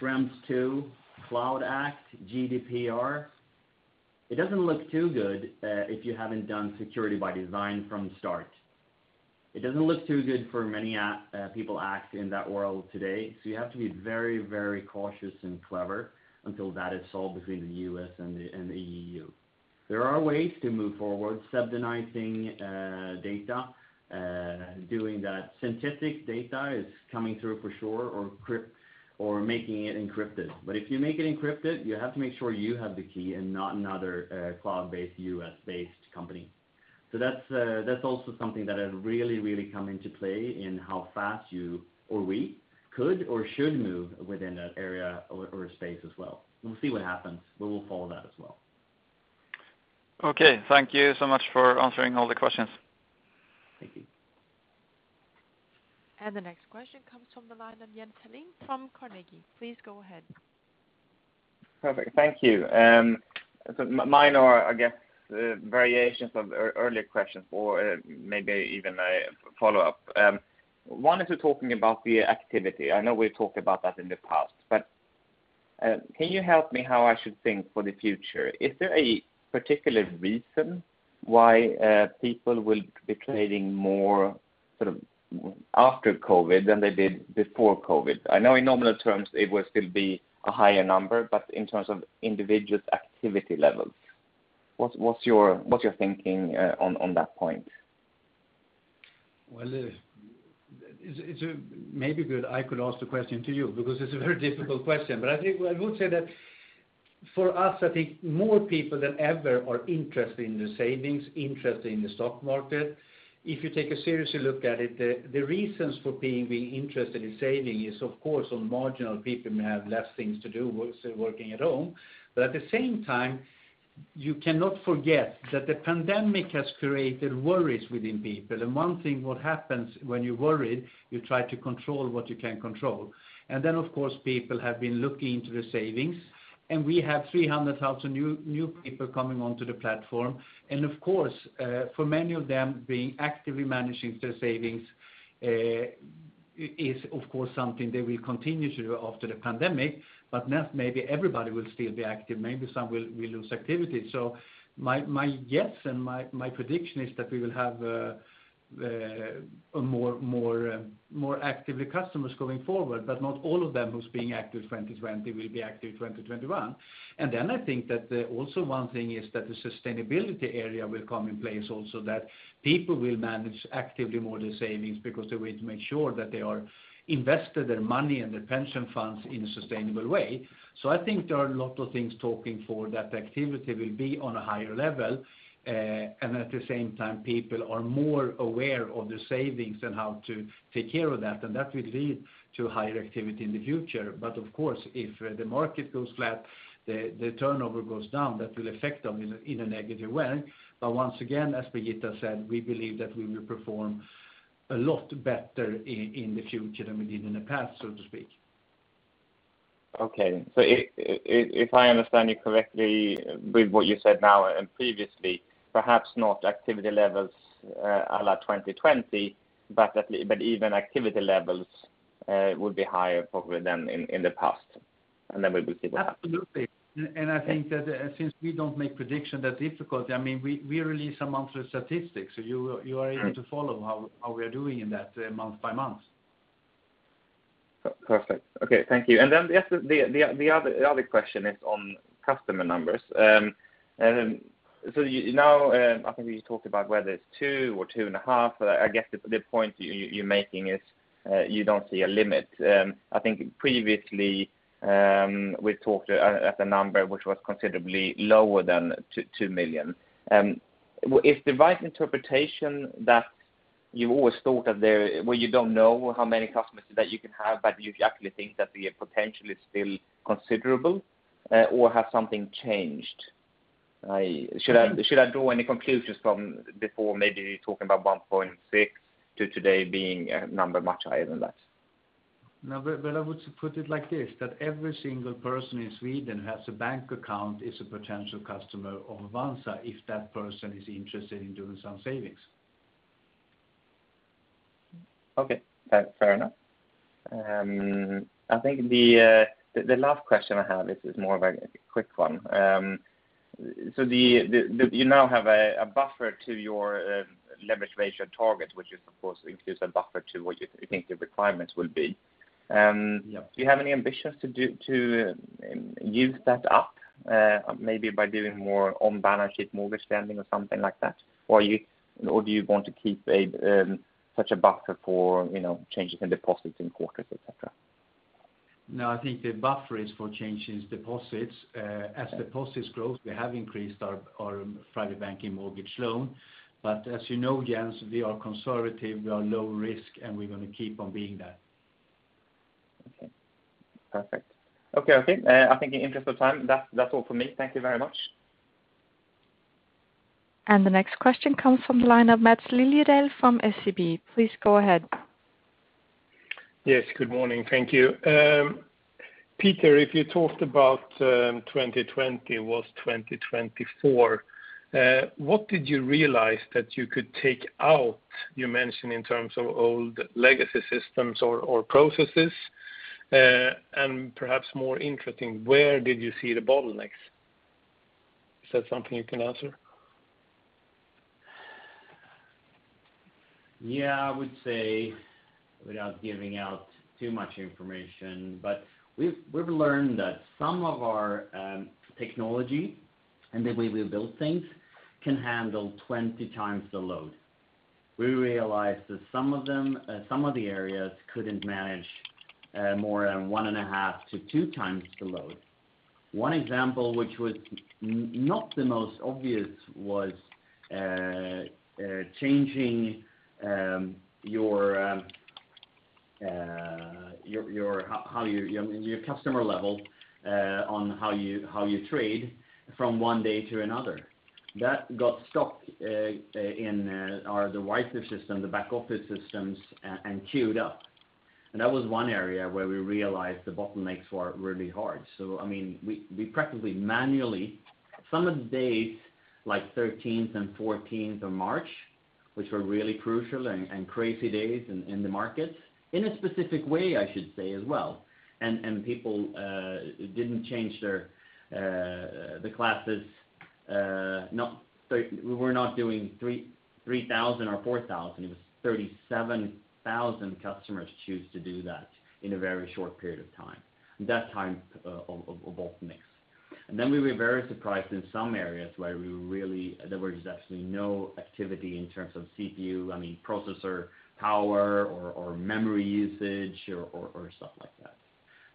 Schrems II, CLOUD Act, GDPR, it doesn't look too good if you haven't done security by design from start. It doesn't look too good for many people act in that world today. You have to be very cautious and clever until that is solved between the U.S. and the E.U. There are ways to move forward, subdividing data, doing that. Synthetic data is coming through for sure, or making it encrypted. If you make it encrypted, you have to make sure you have the key and not another cloud-based, U.S.-based company. That's also something that has really come into play in how fast you or we could or should move within that area or space as well. We'll see what happens. We will follow that as well. Okay. Thank you so much for answering all the questions. Thank you. The next question comes from the line of Jens Hallén from Carnegie. Please go ahead. Perfect. Thank you. Mine are, I guess, variations of earlier questions or maybe even a follow-up. One is talking about the activity. I know we talked about that in the past, but can you help me how I should think for the future? Is there a particular reason why people will be trading more sort of after COVID than they did before COVID? I know in nominal terms it will still be a higher number, but in terms of individual activity levels, what's your thinking on that point? Well, it's maybe good I could ask the question to you because it's a very difficult question. I think I would say that for us, I think more people than ever are interested in the savings, interested in the stock market. If you take a serious look at it, the reasons for being interested in saving is of course on marginal people may have less things to do working at home. At the same time, you cannot forget that the pandemic has created worries within people. One thing what happens when you're worried, you try to control what you can control. Then of course, people have been looking into the savings, and we have 300,000 new people coming onto the platform. Of course, for many of them, being actively managing their savings is, of course, something they will continue to do after the pandemic, but not maybe everybody will still be active. Maybe some will lose activity. My guess and my prediction is that we will have more actively customers going forward, but not all of them who's being active 2020 will be active 2021. I think that also one thing is that the sustainability area will come in place also. People will manage actively more their savings because they will make sure that they are invested their money and their pension funds in a sustainable way. I think there are a lot of things talking for that activity will be on a higher level, and at the same time, people are more aware of the savings and how to take care of that, and that will lead to higher activity in the future. Of course, if the market goes flat, the turnover goes down. That will affect them in a negative way. Once again, as Birgitta said, we believe that we will perform a lot better in the future than we did in the past, so to speak. Okay. If I understand you correctly with what you said now and previously, perhaps not activity levels à la 2020, but even activity levels will be higher probably than in the past, and then we will see what happens. Absolutely. I think that since we don't make prediction that difficult, we release a monthly statistics so you are able to follow how we are doing in that month by month. Perfect. Okay, thank you. The other question is on customer numbers. You now, I think you talked about whether it's two or 2.5, but I guess the point you're making is you don't see a limit. I think previously, we talked at a number which was considerably lower than 2 million. Is the right interpretation that you've always thought that there you don't know how many customers that you can have, but you actually think that the potential is still considerable, or has something changed? Should I draw any conclusions from before maybe talking about 1.6 to today being a number much higher than that? I would put it like this, that every single person in Sweden who has a bank account is a potential customer of Avanza if that person is interested in doing some savings. Okay. Fair enough. I think the last question I have is more of a quick one. You now have a buffer to your leverage ratio target, which of course includes a buffer to what you think the requirements will be. Yeah. Do you have any ambitions to use that up maybe by doing more on-balance sheet mortgage lending or something like that? Do you want to keep such a buffer for changes in deposits in quarters, et cetera? I think the buffer is for changes deposits. As deposits grows, we have increased our private banking mortgage loan. As you know, Jens, we are conservative, we are low risk, and we're going to keep on being that. Okay. Perfect. Okay. I think in interest of time, that's all for me. Thank you very much. The next question comes from the line of Maths Liljedahl from SEB. Please go ahead. Yes, good morning. Thank you. Peter, if you talked about 2020 was 2024, what did you realize that you could take out, you mentioned in terms of old legacy systems or processes? Perhaps more interesting, where did you see the bottlenecks? Is that something you can answer? Yeah, I would say, without giving out too much information, but we've learned that some of our technology and the way we build things can handle 20x the load. We realized that some of the areas couldn't manage more than 1.5-2x the load. One example, which was not the most obvious, was changing your customer level on how you trade from one day to another. That got stuck in the wider system, the back office systems, and queued up. That was one area where we realized the bottlenecks were really hard. We practically manually, some of the days, like 13th and 14th of March, which were really crucial and crazy days in the markets, in a specific way, I should say as well. People didn't change the classes. We were not doing 3,000 or 4,000. It was 37,000 customers choose to do that in a very short period of time. That kind of bottlenecks. Then we were very surprised in some areas where there was actually no activity in terms of CPU, processor power or memory usage or stuff like that.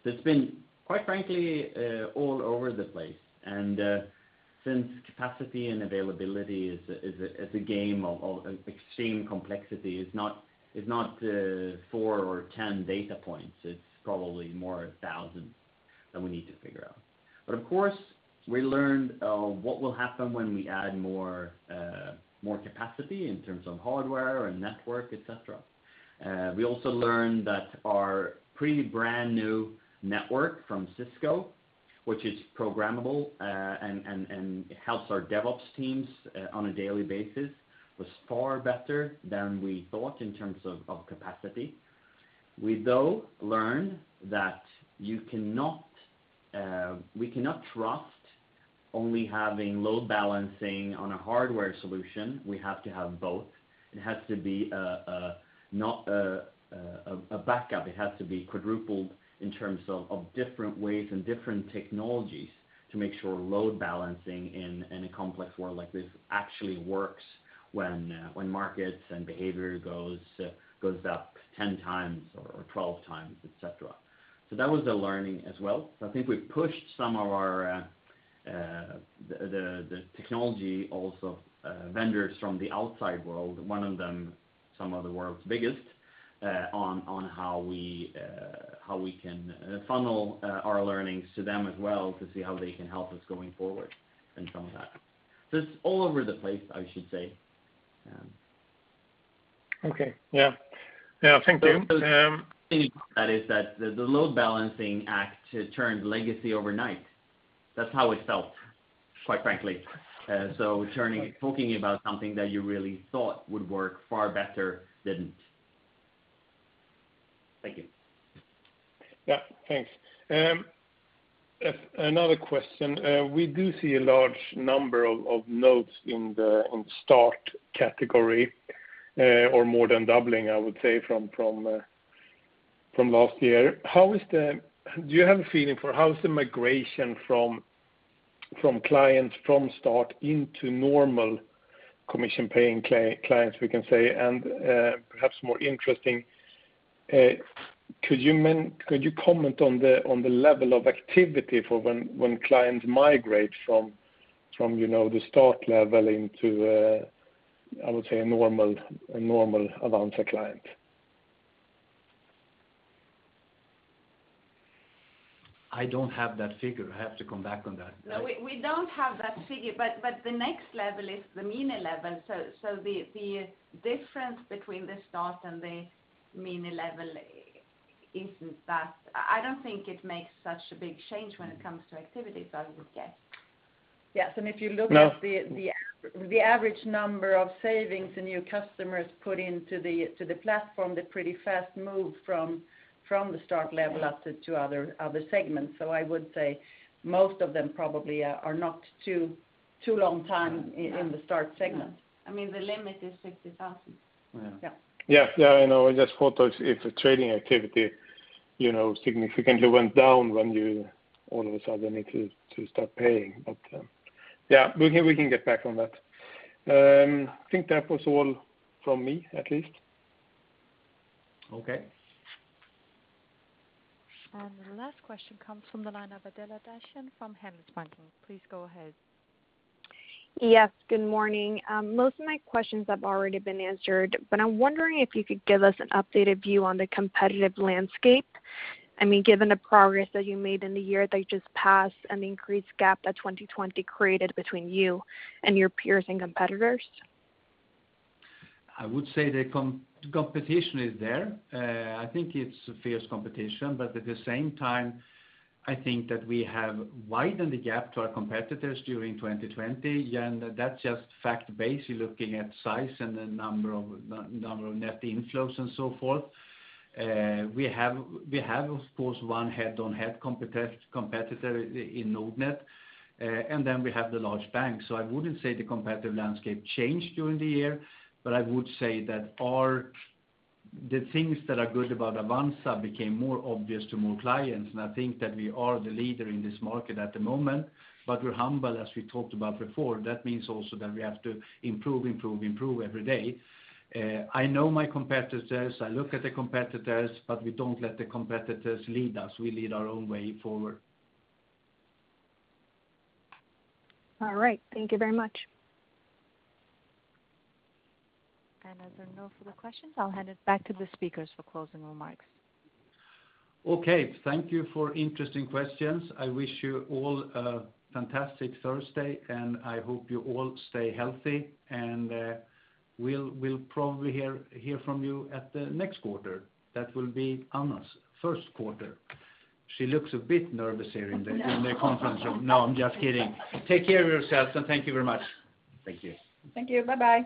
It’s been, quite frankly, all over the place. Since capacity and availability is a game of extreme complexity, it’s not four or 10 data points. It’s probably more 1,000 that we need to figure out. Of course, we learned what will happen when we add more capacity in terms of hardware and network, et cetera. We also learned that our pretty brand-new network from Cisco, which is programmable and helps our DevOps teams on a daily basis, was far better than we thought in terms of capacity. We though learned that we cannot trust only having load balancing on a hardware solution. We have to have both. It has to be not a backup. It has to be quadrupled in terms of different ways and different technologies to make sure load balancing in a complex world like this actually works when markets and behavior goes up 10x or 12x, et cetera. That was the learning as well. I think we pushed some of the technology vendors from the outside world, one of them some of the world's biggest, on how we can funnel our learnings to them as well to see how they can help us going forward in some of that. It's all over the place, I should say. Okay. Yeah. Thank you. That is that the load balancing act turned legacy overnight. That's how it felt, quite frankly. Talking about something that you really thought would work far better, didn't. Thank you. Yeah, thanks. Another question. We do see a large number of notes in the Start category, or more than doubling, I would say, from last year. Do you have a feeling for how the migration from clients from start into normal commission-paying clients, we can say? Perhaps more interesting, could you comment on the level of activity for when clients migrate from the start level into a normal Avanza client? I don't have that figure. I have to come back on that. We don't have that figure. The next level is the mini level. The difference between the Start and the Mini level isn't that I don't think it makes such a big change when it comes to activities, I would guess. Yes, if you look at the average number of savings the new customers put into the platform, they pretty fast move from the start level up to other segments. I would say most of them probably are not too long time in the Start segment. I mean, the limit is 60,000. Yeah. Yeah, I know. I just thought if the trading activity significantly went down when you all of a sudden need to start paying. Yeah, we can get back on that. I think that was all from me, at least. Okay. The last question comes from the line of Adela Dashian from Handelsbanken. Please go ahead. Yes, good morning. Most of my questions have already been answered. I'm wondering if you could give us an updated view on the competitive landscape. Given the progress that you made in the year that just passed and the increased gap that 2020 created between you and your peers and competitors. I would say the competition is there. I think it's a fierce competition, but at the same time, I think that we have widened the gap to our competitors during 2020, and that's just fact-based looking at size and the number of net inflows and so forth. We have, of course, one head-on-head competitor in Nordnet, and then we have the large banks. I wouldn't say the competitive landscape changed during the year, but I would say that the things that are good about Avanza became more obvious to more clients, and I think that we are the leader in this market at the moment. We're humble, as we talked about before. That means also that we have to improve every day. I know my competitors, I look at the competitors, but we don't let the competitors lead us. We lead our own way forward. All right. Thank you very much. As there are no further questions, I'll hand it back to the speakers for closing remarks. Okay. Thank you for interesting questions. I wish you all a fantastic Thursday, and I hope you all stay healthy, and we'll probably hear from you at the next quarter. That will be Anna's first quarter. She looks a bit nervous here in the conference room. No, I'm just kidding. Take care of yourselves, and thank you very much. Thank you. Thank you. Bye-bye.